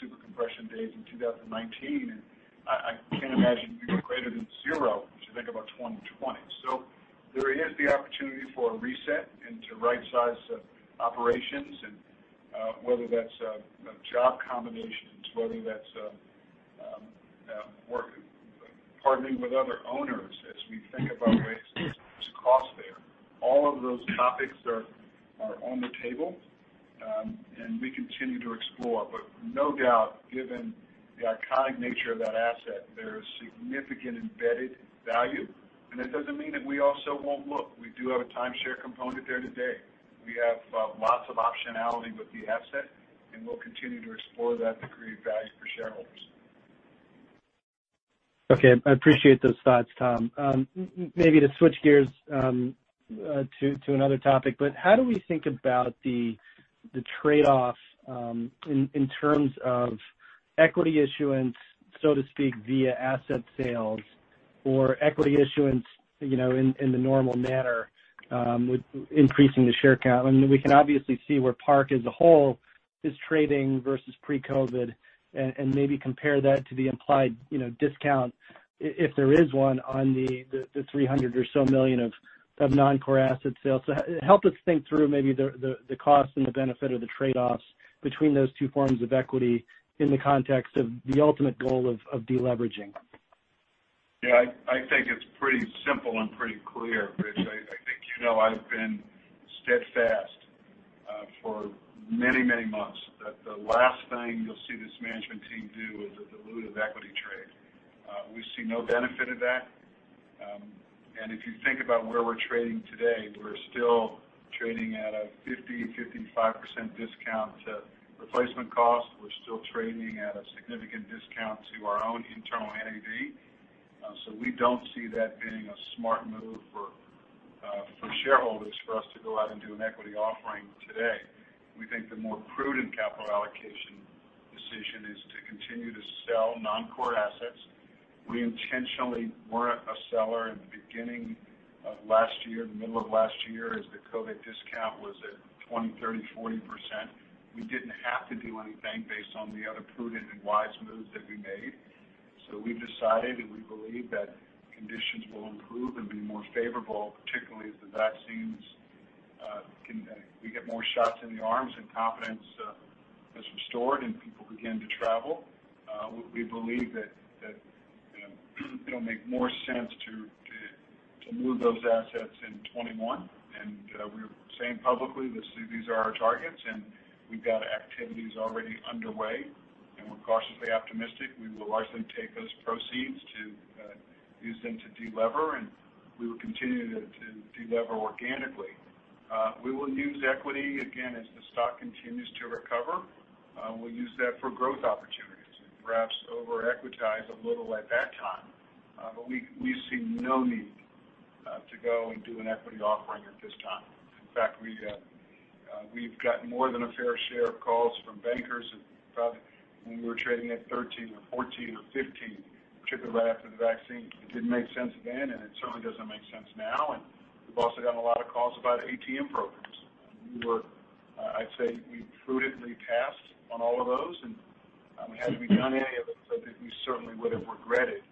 super compression days in 2019, and I can't imagine you were greater than zero as you think about 2020. There is the opportunity for a reset and to rightsize operations, and whether that's job combinations, whether that's partnering with other owners as we think about ways to manage cost there. All of those topics are on the table, and we continue to explore. No doubt, given the iconic nature of that asset, there is significant embedded value. That doesn't mean that we also won't look. We do have a timeshare component there today. We have lots of optionality with the asset, and we'll continue to explore that to create value for shareholders. Okay. I appreciate those thoughts, Tom. How do we think about the trade-off in terms of equity issuance, so to speak, via asset sales or equity issuance in the normal manner with increasing the share count? I mean, we can obviously see where Park as a whole is trading versus pre-COVID, and maybe compare that to the implied discount if there is one on the $300 million or so of non-core asset sales. Help us think through maybe the cost and the benefit of the trade-offs between those two forms of equity in the context of the ultimate goal of de-leveraging. Yeah, I think it's pretty simple and pretty clear, Rich. I think you know I've been steadfast for many, many months that the last thing you'll see this management team do is a dilutive equity trade. We see no benefit of that. If you think about where we're trading today, we're still trading at a 50%-55% discount to replacement cost. We're still trading at a significant discount to our own internal NAV. We don't see that being a smart move for shareholders for us to go out and do an equity offering today. We think the more prudent capital allocation decision is to continue to sell non-core assets. We intentionally weren't a seller at the beginning of last year, the middle of last year, as the COVID-19 discount was at 20%, 30%, 40%. We didn't have to do anything based on the other prudent and wise moves that we made. We've decided, and we believe that conditions will improve and be more favorable, particularly as the vaccines get more shots in the arms and confidence is restored and people begin to travel. We believe that it'll make more sense to move those assets in 2021, and we're saying publicly that these are our targets, and we've got activities already underway, and we're cautiously optimistic. We will largely take those proceeds to use them to de-lever, and we will continue to de-lever organically. We will use equity again as the stock continues to recover. We'll use that for growth opportunities to perhaps over-equitize a little at that time. We see no need to go and do an equity offering at this time. We've gotten more than a fair share of calls from bankers about when we were trading at $13 or $14 or $15, particularly right after the vaccine. It didn't make sense then. It certainly doesn't make sense now. We've also gotten a lot of calls about ATM programs. I'd say we prudently passed on all of those. We hadn't done any of it. We certainly would have regretted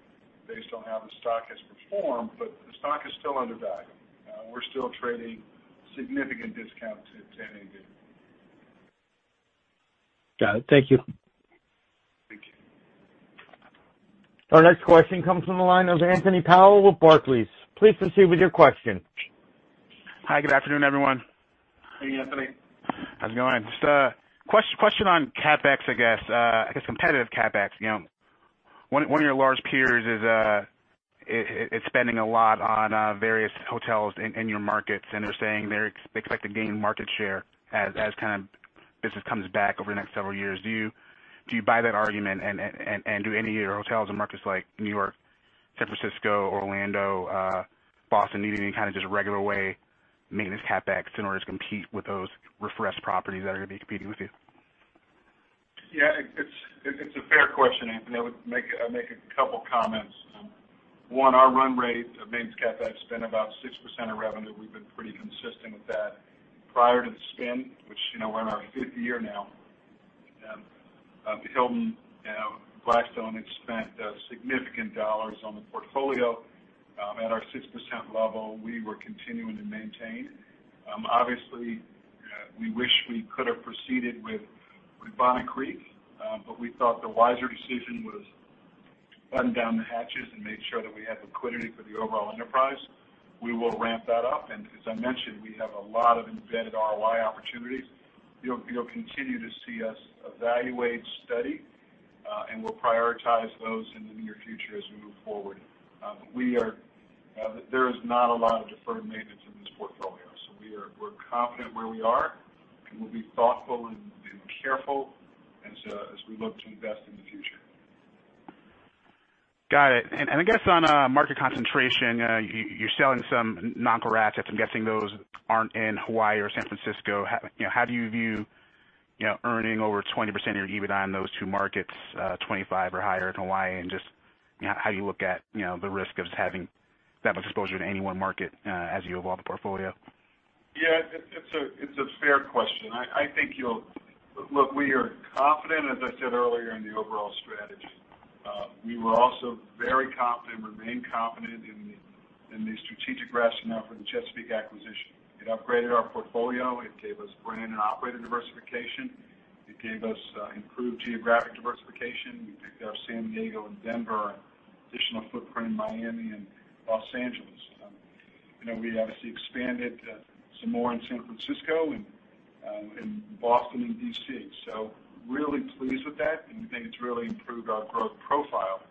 based on how the stock has performed. The stock is still undervalued. We're still trading significant discount to NAV. Got it. Thank you. Thank you. Our next question comes from the line of Anthony Powell with Barclays. Please proceed with your question. Hi. Good afternoon, everyone. Hey, Anthony. How's it going? Just a question on CapEx, I guess. I guess competitive CapEx. One of your large peers is spending a lot on various hotels in your markets, and they're saying they expect to gain market share as business comes back over the next several years. Do you buy that argument, and do any of your hotels or markets like New York, San Francisco, Orlando, Boston, need any kind of just regular way maintenance CapEx in order to compete with those refreshed properties that are going to be competing with you? Yeah, it's a fair question, Anthony. I would make a couple comments. One, our run rate of maintenance CapEx spend about 6% of revenue. We've been pretty consistent with that. Prior to the spin, which we're in our fifth year now, Hilton, Blackstone had spent significant dollars on the portfolio. At our 6% level, we were continuing to maintain. Obviously, we wish we could have proceeded with Bonnet Creek, but we thought the wiser decision was batten down the hatches and made sure that we had liquidity for the overall enterprise. We will ramp that up, and as I mentioned, we have a lot of embedded ROI opportunities. You'll continue to see us evaluate, study, and we'll prioritize those in the near future as we move forward. There is not a lot of deferred maintenance in this portfolio, so we're confident where we are, and we'll be thoughtful and careful as we look to invest in the future. Got it. I guess on market concentration, you're selling some non-core assets. I'm guessing those aren't in Hawaii or San Francisco. How do you view earning over 20% of your EBITDA on those two markets, 25% or higher in Hawaii, and just how you look at the risk of having that much exposure to any one market as you evolve the portfolio? It's a fair question. Look, we are confident, as I said earlier, in the overall strategy. We were also very confident and remain confident in the strategic rationale for the Chesapeake acquisition. It upgraded our portfolio. It gave us brand and operator diversification. It gave us improved geographic diversification. We picked up San Diego and Denver, additional footprint in Miami and Los Angeles. We obviously expanded some more in San Francisco and Boston and D.C. Really pleased with that, and we think it's really improved our growth profile.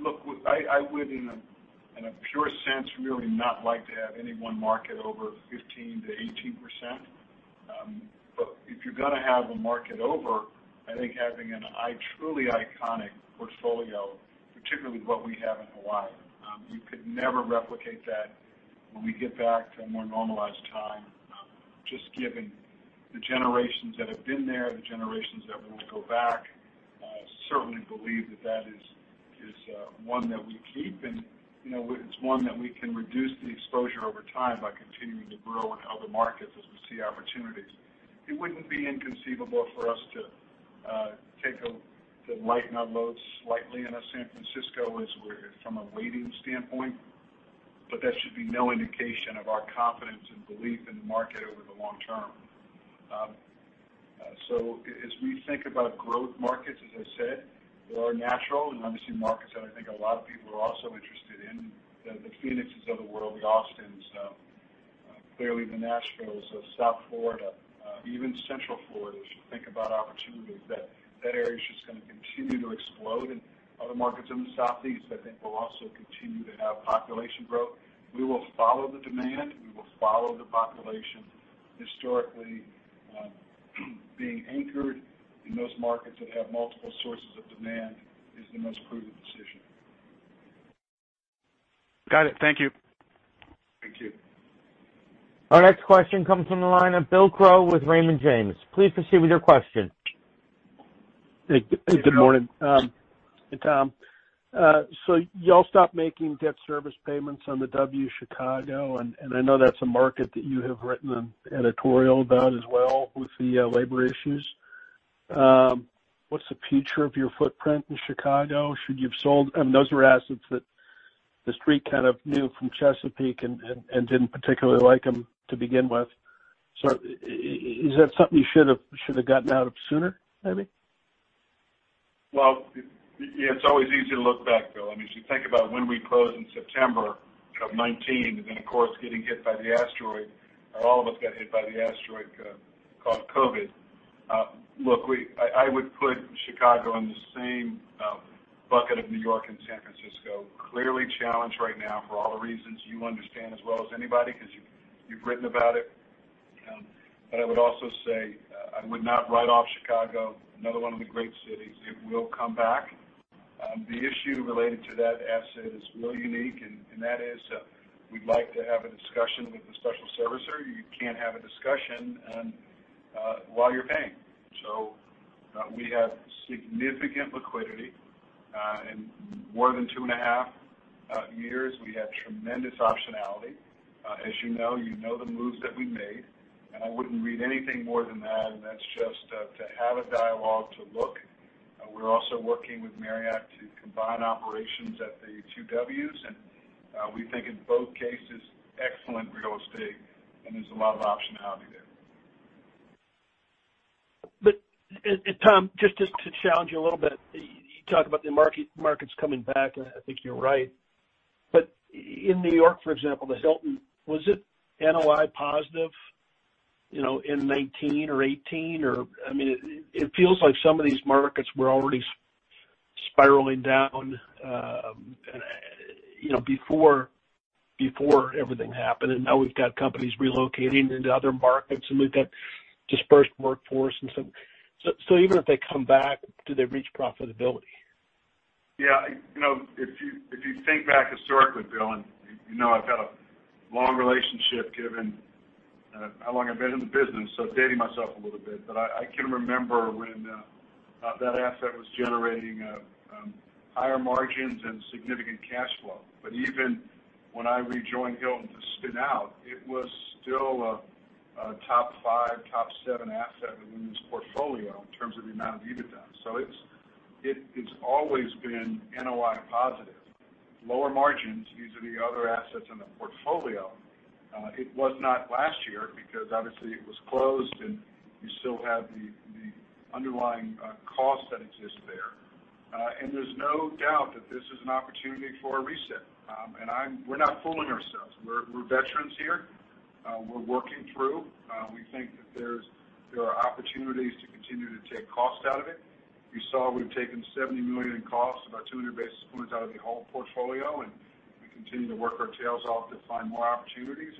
Look, I would, in a pure sense, really not like to have any one market over 15%-18%, but if you're going to have a market over, I think having a truly iconic portfolio, particularly what we have in Hawaii, you could never replicate that when we get back to a more normalized time, just given the generations that have been there, the generations that want to go back, certainly believe that that is one that we keep, and it's one that we can reduce the exposure over time by continuing to grow in other markets as we see opportunities. It wouldn't be inconceivable for us to lighten our loads slightly in San Francisco from a weighting standpoint, but that should be no indication of our confidence and belief in the market over the long term. As we think about growth markets, as I said, they are natural and obviously markets that I think a lot of people are also interested in, the Phoenixes of the world, the Austins, clearly the Nashvilles of South Florida, even Central Florida should think about opportunities. That area is just going to continue to explode, and other markets in the Southeast, I think, will also continue to have population growth. We will follow the demand. We will follow the population. Historically, being anchored in those markets that have multiple sources of demand is the most prudent decision. Got it. Thank you. Thank you. Our next question comes from the line of Bill Crow with Raymond James. Please proceed with your question. Good morning. Hey, Tom. You all stopped making debt service payments on the W Chicago, and I know that's a market that you have written an editorial about as well with the labor issues. What's the future of your footprint in Chicago? Should you have sold? Those were assets that the Street kind of knew from Chesapeake and didn't particularly like them to begin with. Is that something you should have gotten out of sooner, maybe? Yeah, it's always easy to look back, Bill. If you think about when we closed in September of 2019, and then of course, getting hit by the asteroid, or all of us got hit by the asteroid called COVID. Look, I would put Chicago in the same bucket of New York and San Francisco. Clearly challenged right now for all the reasons you understand as well as anybody, because you've written about it. I would also say, I would not write off Chicago, another one of the great cities. It will come back. The issue related to that asset is really unique, and that is, we'd like to have a discussion with the special servicer. You can't have a discussion while you're paying. We have significant liquidity in more than two and a half years. We have tremendous optionality. As you know the moves that we made. I wouldn't read anything more than that. That's just to have a dialogue to look. We're also working with Marriott to combine operations at the two W's. We think in both cases, excellent real estate. There's a lot of optionality there. Tom, just to challenge you a little bit. You talk about the markets coming back, and I think you're right. In New York, for example, the Hilton, was it NOI positive in 2019 or 2018? It feels like some of these markets were already spiraling down before everything happened, and now we've got companies relocating into other markets, and we've got dispersed workforce. Even if they come back, do they reach profitability? Yeah. If you think back historically, Bill, you know I've got a long relationship given how long I've been in the business, so dating myself a little bit. I can remember when that asset was generating higher margins and significant cash flow. Even when I rejoined Hilton to spin out, it was still a Top 5, Top 7 asset within this portfolio in terms of the amount of EBITDA. It's always been NOI positive. Lower margins due to the other assets in the portfolio. It was not last year because obviously it was closed, and you still have the underlying costs that exist there. There's no doubt that this is an opportunity for a reset. We're not fooling ourselves. We're veterans here. We're working through. We think that there are opportunities to continue to take cost out of it. You saw we've taken $70 million in costs, about 200 basis points out of the whole portfolio. We continue to work our tails off to find more opportunities.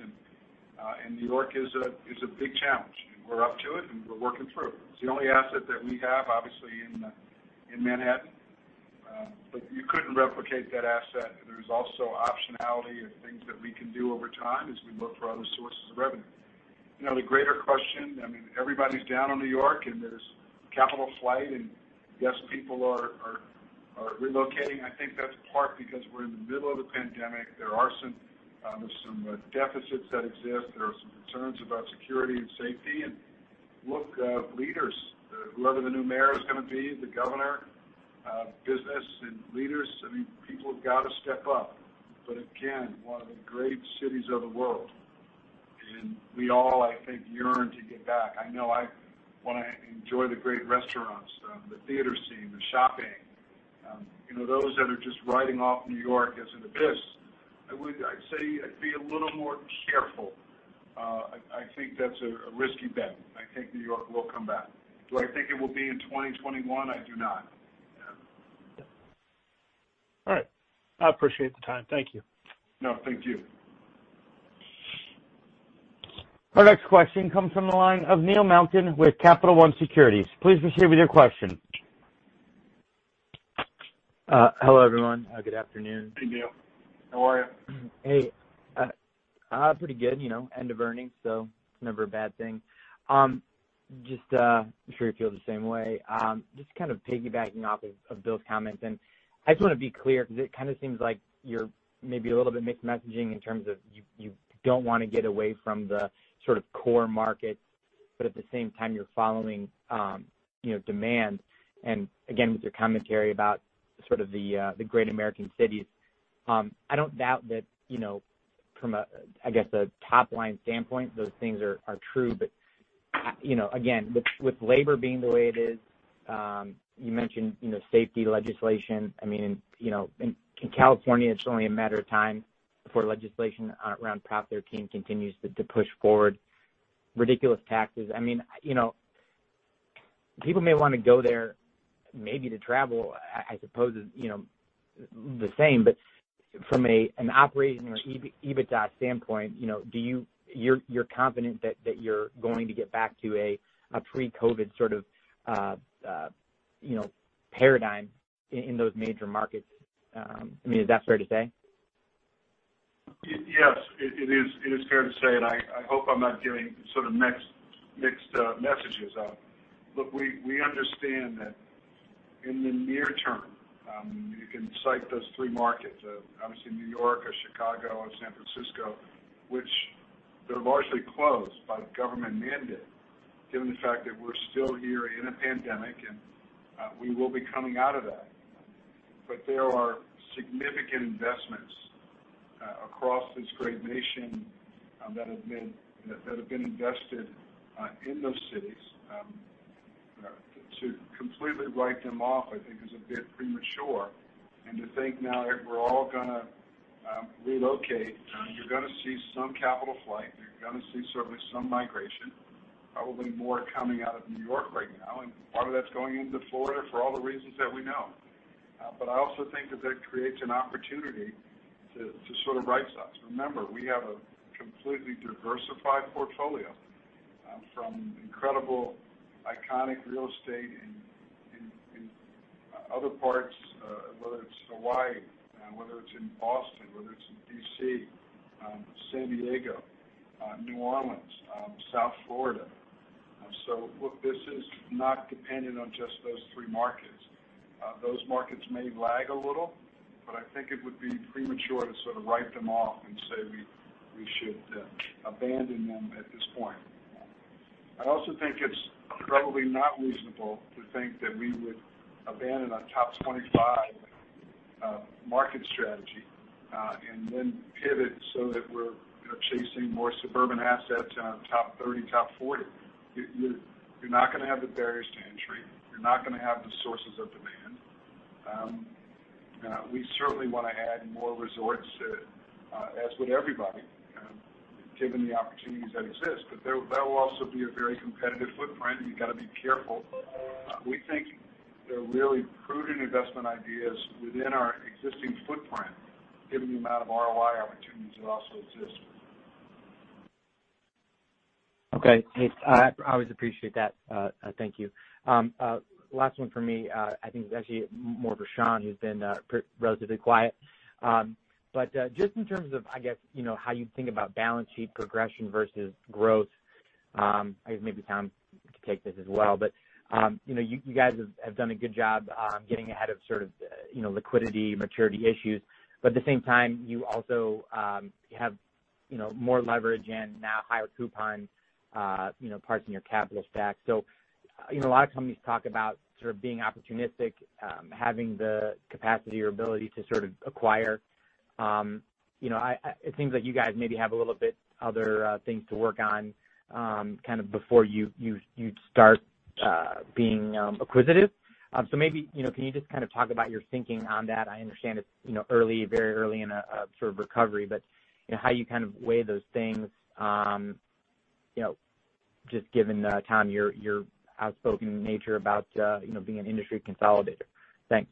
New York is a big challenge, and we're up to it, and we're working through. It's the only asset that we have, obviously, in Manhattan. You couldn't replicate that asset, and there's also optionality of things that we can do over time as we look for other sources of revenue. The greater question, everybody's down on New York, and there's capital flight, and yes, people are relocating. I think that's part because we're in the middle of the pandemic. There's some deficits that exist. There are some concerns about security and safety, and look, leaders, whoever the new mayor is going to be, the governor, business, and leaders, people have got to step up. Again, one of the great cities of the world. We all, I think, yearn to get back. I know I want to enjoy the great restaurants, the theater scene, the shopping. Those that are just writing off New York as an abyss, I'd say I'd be a little more careful. I think that's a risky bet. I think New York will come back. Do I think it will be in 2021? I do not. All right. I appreciate the time. Thank you. No, thank you. Our next question comes from the line of Neil Malkin with Capital One Securities. Please proceed with your question. Hello, everyone. Good afternoon. Hey, Neil. How are you? Hey. Pretty good. End of earnings. It's never a bad thing. I'm sure you feel the same way. Just kind of piggybacking off of Bill's comments. I just want to be clear because it kind of seems like you're maybe a little bit mixed messaging in terms of you don't want to get away from the sort of core markets. At the same time, you're following demand. Again, with your commentary about sort of the great American cities. I don't doubt that from, I guess, a top-line standpoint, those things are true. Again, with labor being the way it is, you mentioned safety legislation. In California, it's only a matter of time before legislation around Proposition 13 continues to push forward ridiculous taxes. People may want to go there maybe to travel, I suppose the same, but from an operating or EBITDA standpoint, you're confident that you're going to get back to a pre-COVID sort of paradigm in those major markets? Is that fair to say? Yes, it is fair to say, and I hope I'm not giving sort of mixed messages. Look, we understand that in the near term, you can cite those three markets of obviously New York or Chicago or San Francisco, which they're largely closed by government mandate. Given the fact that we're still here in a pandemic, and we will be coming out of that. There are significant investments across this great nation that have been invested in those cities. To completely write them off, I think, is a bit premature, and to think now that we're all going to relocate. You're going to see some capital flight, and you're going to see certainly some migration, probably more coming out of New York right now, and part of that's going into Florida for all the reasons that we know. I also think that that creates an opportunity to sort of rightsize. Remember, we have a completely diversified portfolio, from incredible iconic real estate in other parts, whether it's Hawaii, whether it's in Boston, whether it's in D.C., San Diego, New Orleans, South Florida. Look, this is not dependent on just those three markets. Those markets may lag a little, but I think it would be premature to sort of write them off and say we should abandon them at this point. I also think it's probably not reasonable to think that we would abandon our Top 25 market strategy, and then pivot so that we're chasing more suburban assets in our Top 30, Top 40. You're not going to have the barriers to entry. You're not going to have the sources of demand. We certainly want to add more resorts to it, as would everybody, given the opportunities that exist. That will also be a very competitive footprint, and you've got to be careful. We think there are really prudent investment ideas within our existing footprint, given the amount of ROI opportunities that also exist. Okay. I always appreciate that. Thank you. Last one from me, I think is actually more for Sean, who's been relatively quiet. Just in terms of how you think about balance sheet progression versus growth. I guess maybe Tom could take this as well. You guys have done a good job getting ahead of sort of liquidity maturity issues. At the same time, you also have more leverage and now higher coupon parts in your capital stack. A lot of companies talk about sort of being opportunistic, having the capacity or ability to sort of acquire. It seems like you guys maybe have a little bit other things to work on before you start being acquisitive. Maybe, can you just talk about your thinking on that? I understand it's very early in a sort of recovery, but how you kind of weigh those things, just given the time, your outspoken nature about being an industry consolidator. Thanks.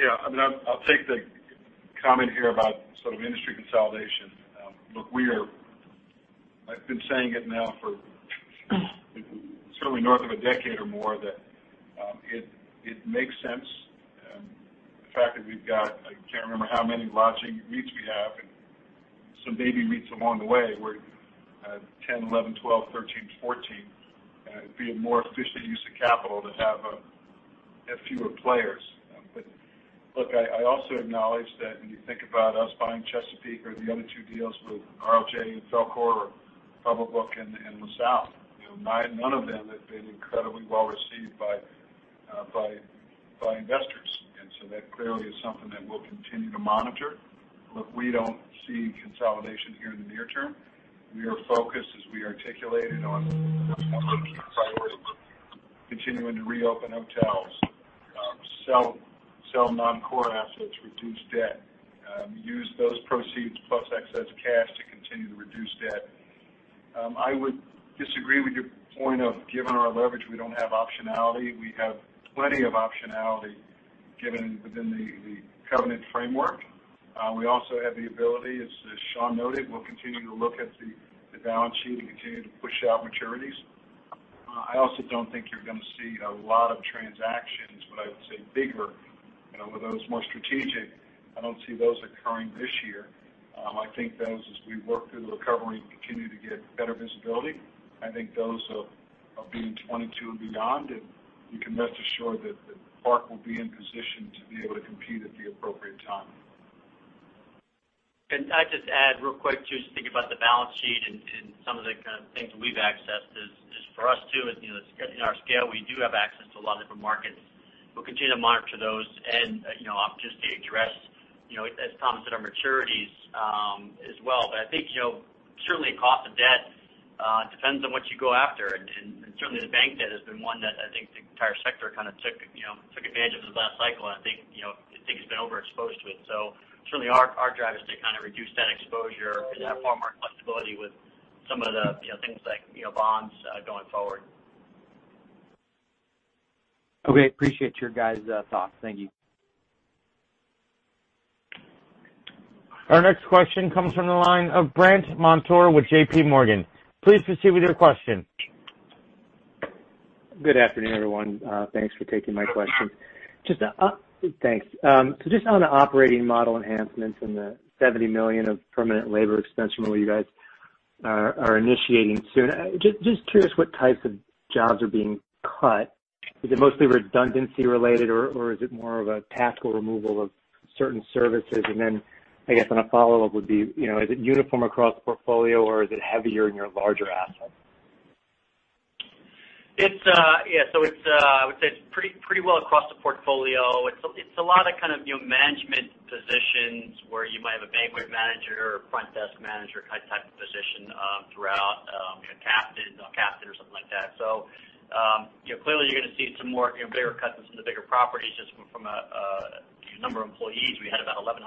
You first? Yeah. I'll take the comment here about sort of industry consolidation. Look, I've been saying it now for certainly north of a decade or more, that it makes sense. The fact that we've got, I can't remember how many lodging REITs we have, and some baby REITs along the way. We're at 10, 11, 12, 13, 14. It'd be a more efficient use of capital to have fewer players. Look, I also acknowledge that when you think about us buying Chesapeake or the other two deals with RLJ and FelCor, or Pebblebrook and LaSalle, not one of them have been incredibly well received by investors, so that clearly is something that we'll continue to monitor. Look, we don't see consolidation here in the near term. We are focused, as we articulated on continuing to reopen hotels, sell non-core assets, reduce debt. Use those proceeds plus excess cash to continue to reduce debt. I would disagree with your point of, given our leverage, we don't have optionality. We have plenty of optionality within the covenant framework. We also have the ability, as Sean noted, we'll continue to look at the balance sheet and continue to push out maturities. I also don't think you're going to see a lot of transactions, what I would say bigger, with those more strategic, I don't see those occurring this year. I think those, as we work through the recovery and continue to get better visibility, I think those will be in 2022 and beyond, and you can rest assured that Park will be in position to be able to compete at the appropriate time. Can I just add real quick too, just thinking about the balance sheet and some of the kind of things that we've accessed is, just for us too, in our scale, we do have access to a lot of different markets. We'll continue to monitor those and obviously address, as Tom said, our maturities as well. I think certainly cost of debt depends on what you go after, and certainly the bank debt has been one that I think the entire sector kind of took advantage of in the last cycle, and I think it's been overexposed to it. Certainly, our drive is to kind of reduce that exposure and have far more flexibility with some of the things like bonds going forward. Okay. Appreciate your guys' thoughts. Thank you. Our next question comes from the line of Brandt Montour with JPMorgan. Please proceed with your question. Good afternoon, everyone. Thanks for taking my question. Thanks. Just on the operating model enhancements and the $70 million of permanent labor expense removal you guys are initiating soon, just curious what types of jobs are being cut? Is it mostly redundancy related or is it more of a tactical removal of certain services? I guess on a follow-up would be, is it uniform across the portfolio or is it heavier in your larger assets? Yeah. I would say it's pretty well across the portfolio. It's a lot of kind of management positions where you might have a banquet manager or front desk manager type of position throughout, captain or something like that. Clearly you're going to see some more bigger cuts in some of the bigger properties just from a number of employees. We had about 1,100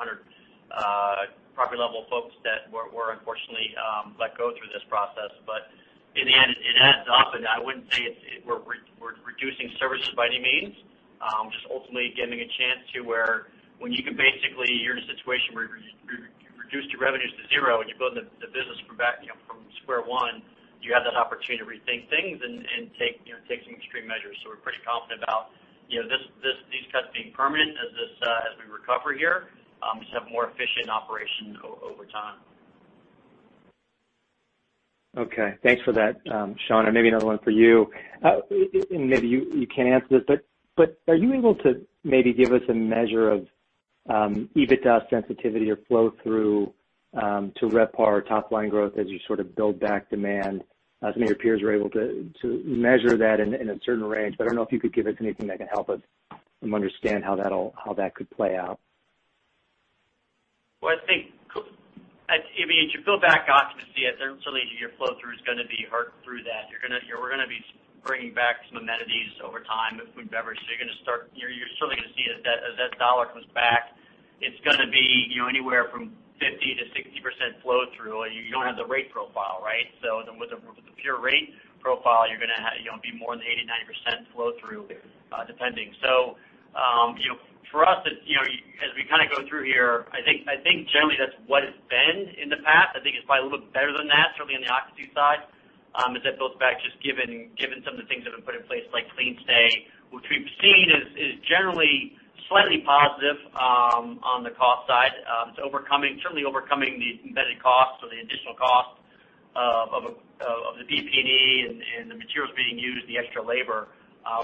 property-level folks that were unfortunately let go through this process. In the end, it adds up, and I wouldn't say we're reducing services by any means. Just ultimately giving a chance to where when you can basically you're in a situation where you've reduced your revenues to zero and you're building the business back from square one, you have that opportunity to rethink things and take some extreme measures. We're pretty confident about these cuts being permanent as we recover here. Just have more efficient operations over time. Okay. Thanks for that, Sean. Maybe another one for you. Maybe you can't answer this, but are you able to maybe give us a measure of EBITDA sensitivity or flow-through to RevPAR top line growth as you sort of build back demand, as many of your peers were able to measure that in a certain range. I don't know if you could give us anything that can help us understand how that could play out. I think, as you build back occupancy, certainly your flow-through is going to be hard through that. We're going to be bringing back some amenities over time, food and beverage. You're certainly going to see as that dollar comes back, it's going to be anywhere from 50%-60% flow-through. You don't have the rate profile, right? With the pure rate profile, you're going to be more than 89% flow-through, depending. For us, as we kind of go through here, I think generally that's what it's been in the past. I think it's probably a little bit better than that, certainly on the occupancy side, as that builds back, just given some of the things that have been put in place, like CleanStay, which we've seen is generally slightly positive on the cost side. It's certainly overcoming the embedded costs or the additional cost of the PP&E and the materials being used, the extra labor,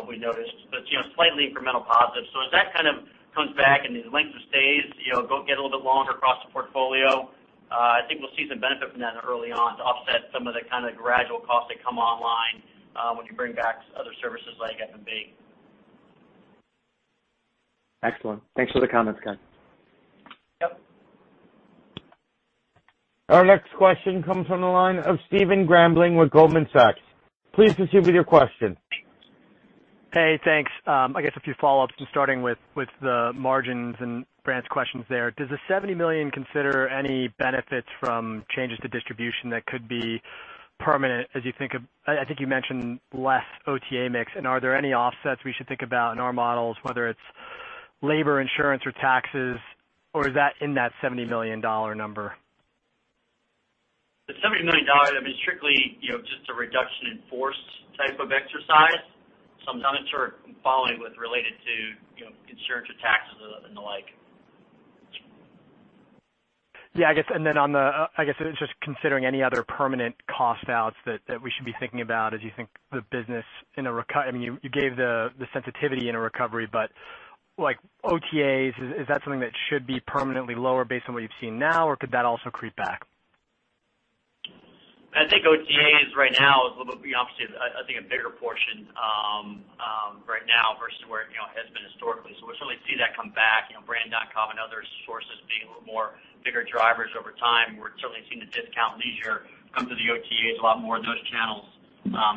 we noticed. It is slightly incremental positive. As that kind of comes back and these lengths of stays get a little bit longer across the portfolio, I think we'll see some benefit from that early on to offset some of the kind of gradual costs that come online when you bring back other services like F&B. Excellent. Thanks for the comments, guys. Yep. Our next question comes from the line of Stephen Grambling with Goldman Sachs. Please proceed with your question. Hey, thanks. I guess a few follow-ups, and starting with the margins and Brandt's questions there. Does the $70 million consider any benefits from changes to distribution that could be permanent as you think of I think you mentioned less OTA mix. Are there any offsets we should think about in our models, whether it's labor insurance or taxes, or is that in that $70 million number? The $70 million, I mean, it's strictly just a reduction in force type of exercise. Some comments are following with related to insurance or taxes and the like. Yeah, I guess, on the I guess it's just considering any other permanent cost outs that we should be thinking about as you think the business in a recut. I mean, you gave the sensitivity in a recovery, like OTAs, is that something that should be permanently lower based on what you've seen now, or could that also creep back? I think OTAs right now is obviously, I think a bigger portion right now versus where it has been historically. We'll certainly see that come back, brand.com and other sources being a little more bigger drivers over time. We're certainly seeing the discount leisure come to the OTAs a lot more in those channels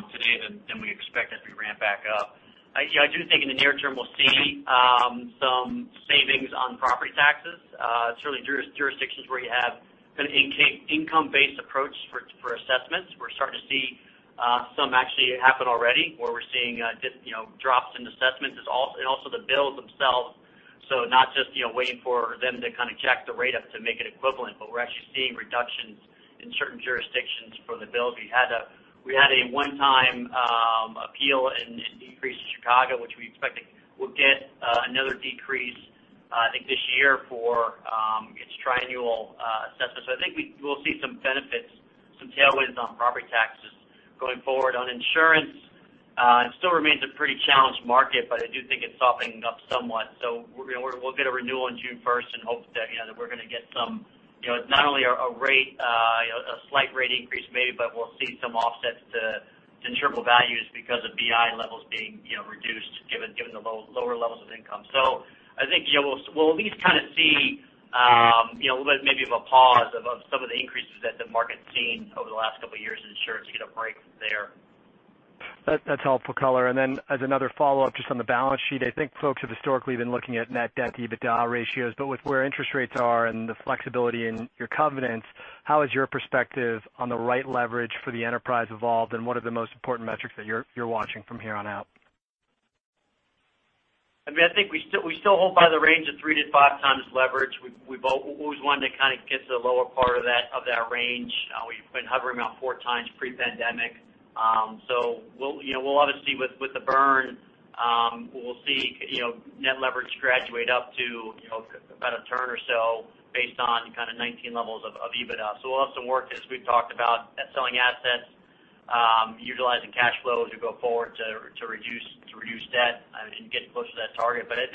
today than we expect as we ramp back up. I do think in the near term, we'll see some savings on property taxes. Certainly jurisdictions where you have an income-based approach for assessments, we're starting to see some actually happen already, where we're seeing drops in assessments, and also the bills themselves. Not just waiting for them to kind of jack the rate up to make it equivalent, but we're actually seeing reductions in certain jurisdictions for the bills. We had a one-time appeal and decrease in Chicago, which we expect will get another decrease, I think, this year for its triennial assessment. I think we'll see some benefits, some tailwinds on property taxes going forward. On insurance, it still remains a pretty challenged market, I do think it's softening up somewhat. We'll get a renewal on June 1st and hope that we're going to get not only a slight rate increase maybe, but we'll see some offsets to interval values because of BI levels being reduced given the lower levels of income. I think we'll at least kind of see maybe of a pause of some of the increases that the market's seen over the last couple of years in insurance. You get a break there. That's helpful color. As another follow-up, just on the balance sheet, I think folks have historically been looking at net debt to EBITDA ratios, but with where interest rates are and the flexibility in your covenants, how has your perspective on the right leverage for the enterprise evolved, and what are the most important metrics that you're watching from here on out? I mean, I think we still hold by the range of three to five times leverage. We've always wanted to kind of get to the lower part of that range. We've been hovering about four times pre-pandemic. We'll obviously with the burn, we'll see net leverage graduate up to about a turn or so based on kind of 2019 levels of EBITDA. We'll have some work as we've talked about at selling assets, utilizing cash flow as we go forward to reduce debt and get closer to that target. I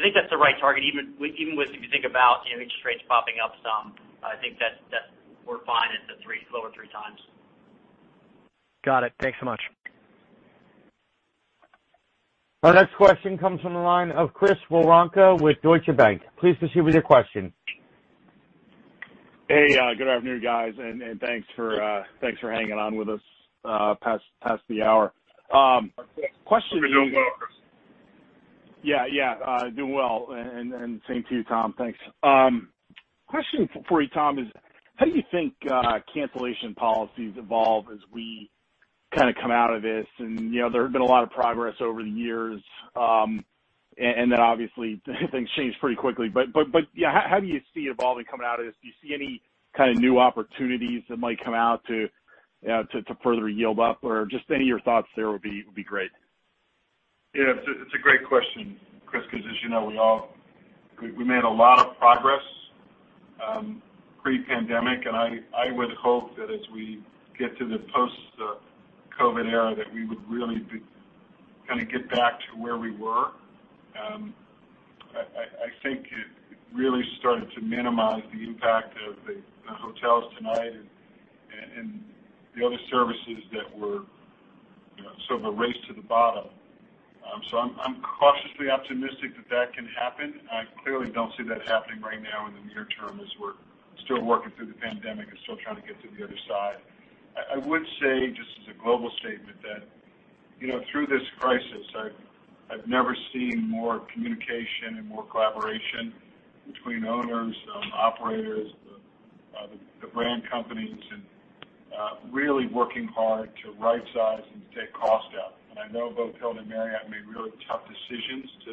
think that's the right target, even if you think about interest rates popping up some, I think that we're fine at the lower 3x. Got it. Thanks so much. Our next question comes from the line of Chris Woronka with Deutsche Bank. Please proceed with your question. Hey, good afternoon, guys. Thanks for hanging on with us past the hour. Hope you're doing well, Chris. Yeah. Doing well, and same to you, Tom. Thanks. Question for you, Tom, is how do you think cancellation policies evolve as we kind of come out of this? There has been a lot of progress over the years, and then obviously things change pretty quickly. Yeah, how do you see it evolving coming out of this? Do you see any kind of new opportunities that might come out to further yield up or just any of your thoughts there would be great. Yeah, it's a great question, Chris, because as you know, we made a lot of progress pre-pandemic, and I would hope that as we get to the post-COVID era, that we would really kind of get back to where we were. I think it really started to minimize the impact of the HotelTtonight and the other services that were sort of a race to the bottom. I'm cautiously optimistic that that can happen. I clearly don't see that happening right now in the near term as we're still working through the pandemic and still trying to get to the other side. I would say, just as a global statement, that through this crisis, I've never seen more communication and more collaboration between owners, operators, the brand companies, and really working hard to rightsize and to take cost out. I know both Hilton and Marriott made really tough decisions to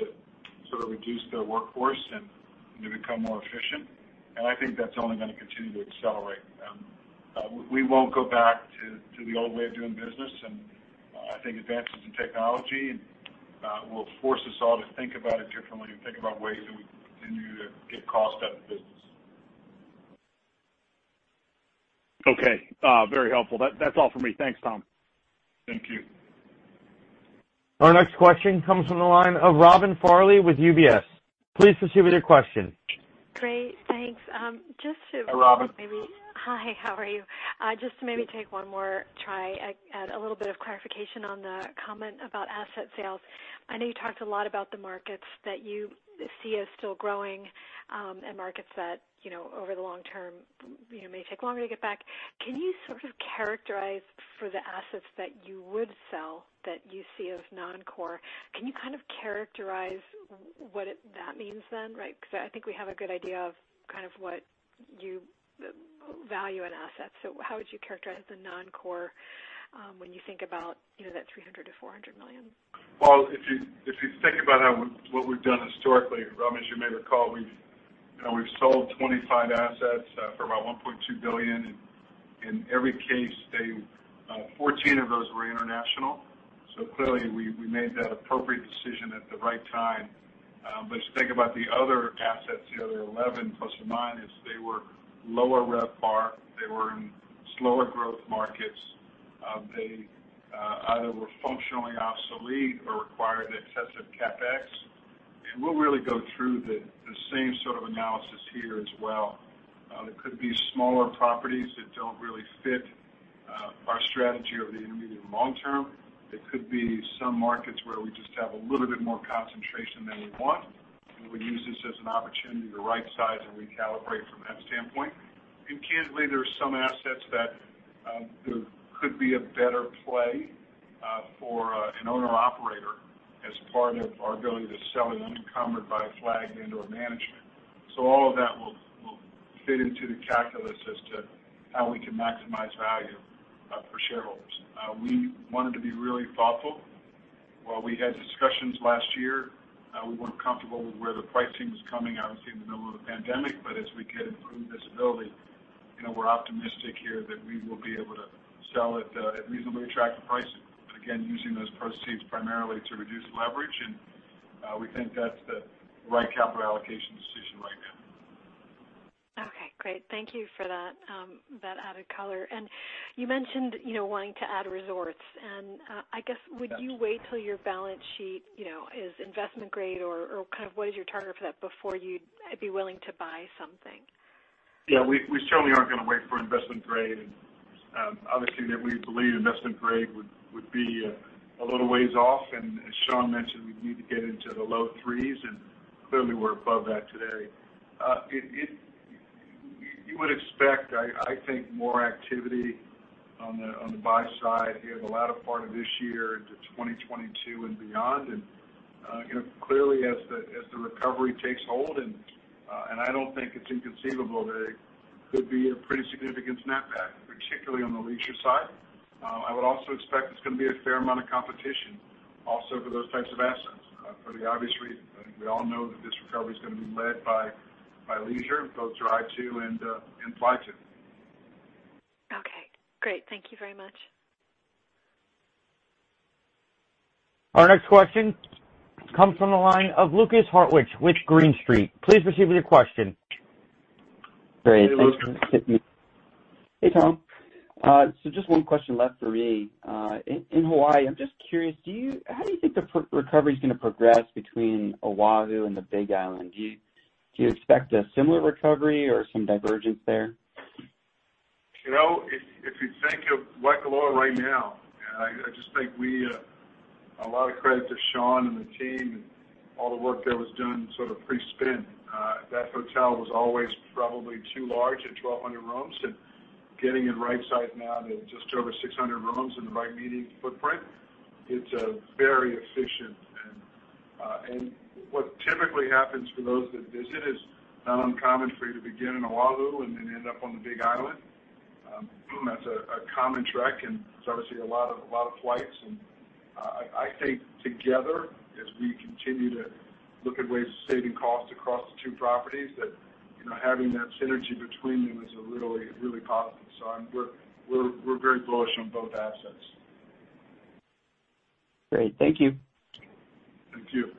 sort of reduce their workforce and to become more efficient. I think that's only going to continue to accelerate. We won't go back to the old way of doing business. I think advances in technology will force us all to think about it differently and think about ways that we can continue to get cost out of the business. Okay. Very helpful. That's all for me. Thanks, Tom. Thank you. Our next question comes from the line of Robin Farley with UBS. Please proceed with your question. Great, thanks. Hi, Robin. Hi, how are you? Just to maybe take one more try at a little bit of clarification on the comment about asset sales. I know you talked a lot about the markets that you see as still growing, and markets that over the long term may take longer to get back. Can you sort of characterize for the assets that you would sell that you see as non-core, can you kind of characterize what that means then? Right? I think we have a good idea of kind of what you value in assets. How would you characterize the non-core, when you think about that $300 million-$400 million? If you think about what we've done historically, Robin, as you may recall, we've sold 25 assets for about $1.2 billion. In every case, 14 of those were international. Clearly, we made that appropriate decision at the right time. If you think about the other assets, the other 11, plus or minus, they were lower RevPAR, they were in slower growth markets. They either were functionally obsolete or required excessive CapEx. We'll really go through the same sort of analysis here as well. It could be smaller properties that don't really fit our strategy over the intermediate and long term. It could be some markets where we just have a little bit more concentration than we want, and we use this as an opportunity to rightsize and recalibrate from that standpoint. Candidly, there are some assets that there could be a better play for an owner/operator as part of our ability to sell them unencumbered by a flag and/or management. All of that will fit into the calculus as to how we can maximize value for shareholders. We wanted to be really thoughtful. While we had discussions last year, we weren't comfortable with where the pricing was coming, obviously in the middle of the pandemic, but as we get improved visibility, we're optimistic here that we will be able to sell at reasonably attractive prices. Again, using those proceeds primarily to reduce leverage, and we think that's the right capital allocation decision right now. Okay, great. Thank you for that added color. You mentioned wanting to add resorts. Yes would you wait till your balance sheet is investment grade, or kind of what is your target for that before you'd be willing to buy something? Yeah, we certainly aren't going to wait for investment grade, and obviously, we believe investment grade would be a little ways off, and as Sean mentioned, we'd need to get into the low 3s, and clearly, we're above that today. You would expect, I think, more activity on the buy side in the latter part of this year into 2022 and beyond, and clearly as the recovery takes hold, and I don't think it's inconceivable that it could be a pretty significant snap back, particularly on the leisure side. I would also expect there's going to be a fair amount of competition also for those types of assets for the obvious reason. I think we all know that this recovery's going to be led by leisure, both drive to and fly to. Okay, great. Thank you very much. Our next question comes from the line of Lukas Hartwich with Green Street. Please proceed with your question. Hey, Lukas. Great. Thanks for letting me. Hey, Tom. Just one question left for me. In Hawaii, I'm just curious, how do you think the recovery's going to progress between Oahu and the Big Island? Do you expect a similar recovery or some divergence there? If you think of Waikoloa right now, I just think a lot of credit to Sean and the team, and all the work that was done sort of pre-spin. That hotel was always probably too large at 1,200 rooms, getting it rightsized now to just over 600 rooms and the right meeting footprint, it's very efficient. What typically happens for those that visit is it's not uncommon for you to begin in Oahu and then end up on the Big Island. That's a common trek, and there's obviously a lot of flights, and I think together, as we continue to look at ways of saving costs across the two properties, that having that synergy between them is really positive. We're very bullish on both assets. Great. Thank you. Thank you.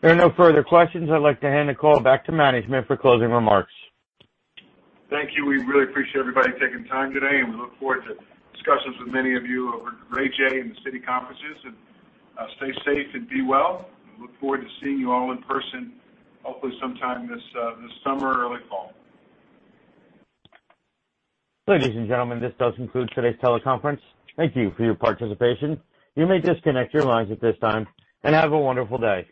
If there are no further questions, I'd like to hand the call back to management for closing remarks. Thank you. We really appreciate everybody taking time today. We look forward to discussions with many of you over at Raymond James and the Citi conferences. Stay safe and be well. We look forward to seeing you all in person, hopefully sometime this summer or early fall. Ladies and gentlemen, this does conclude today's teleconference. Thank you for your participation. You may disconnect your lines at this time. Have a wonderful day.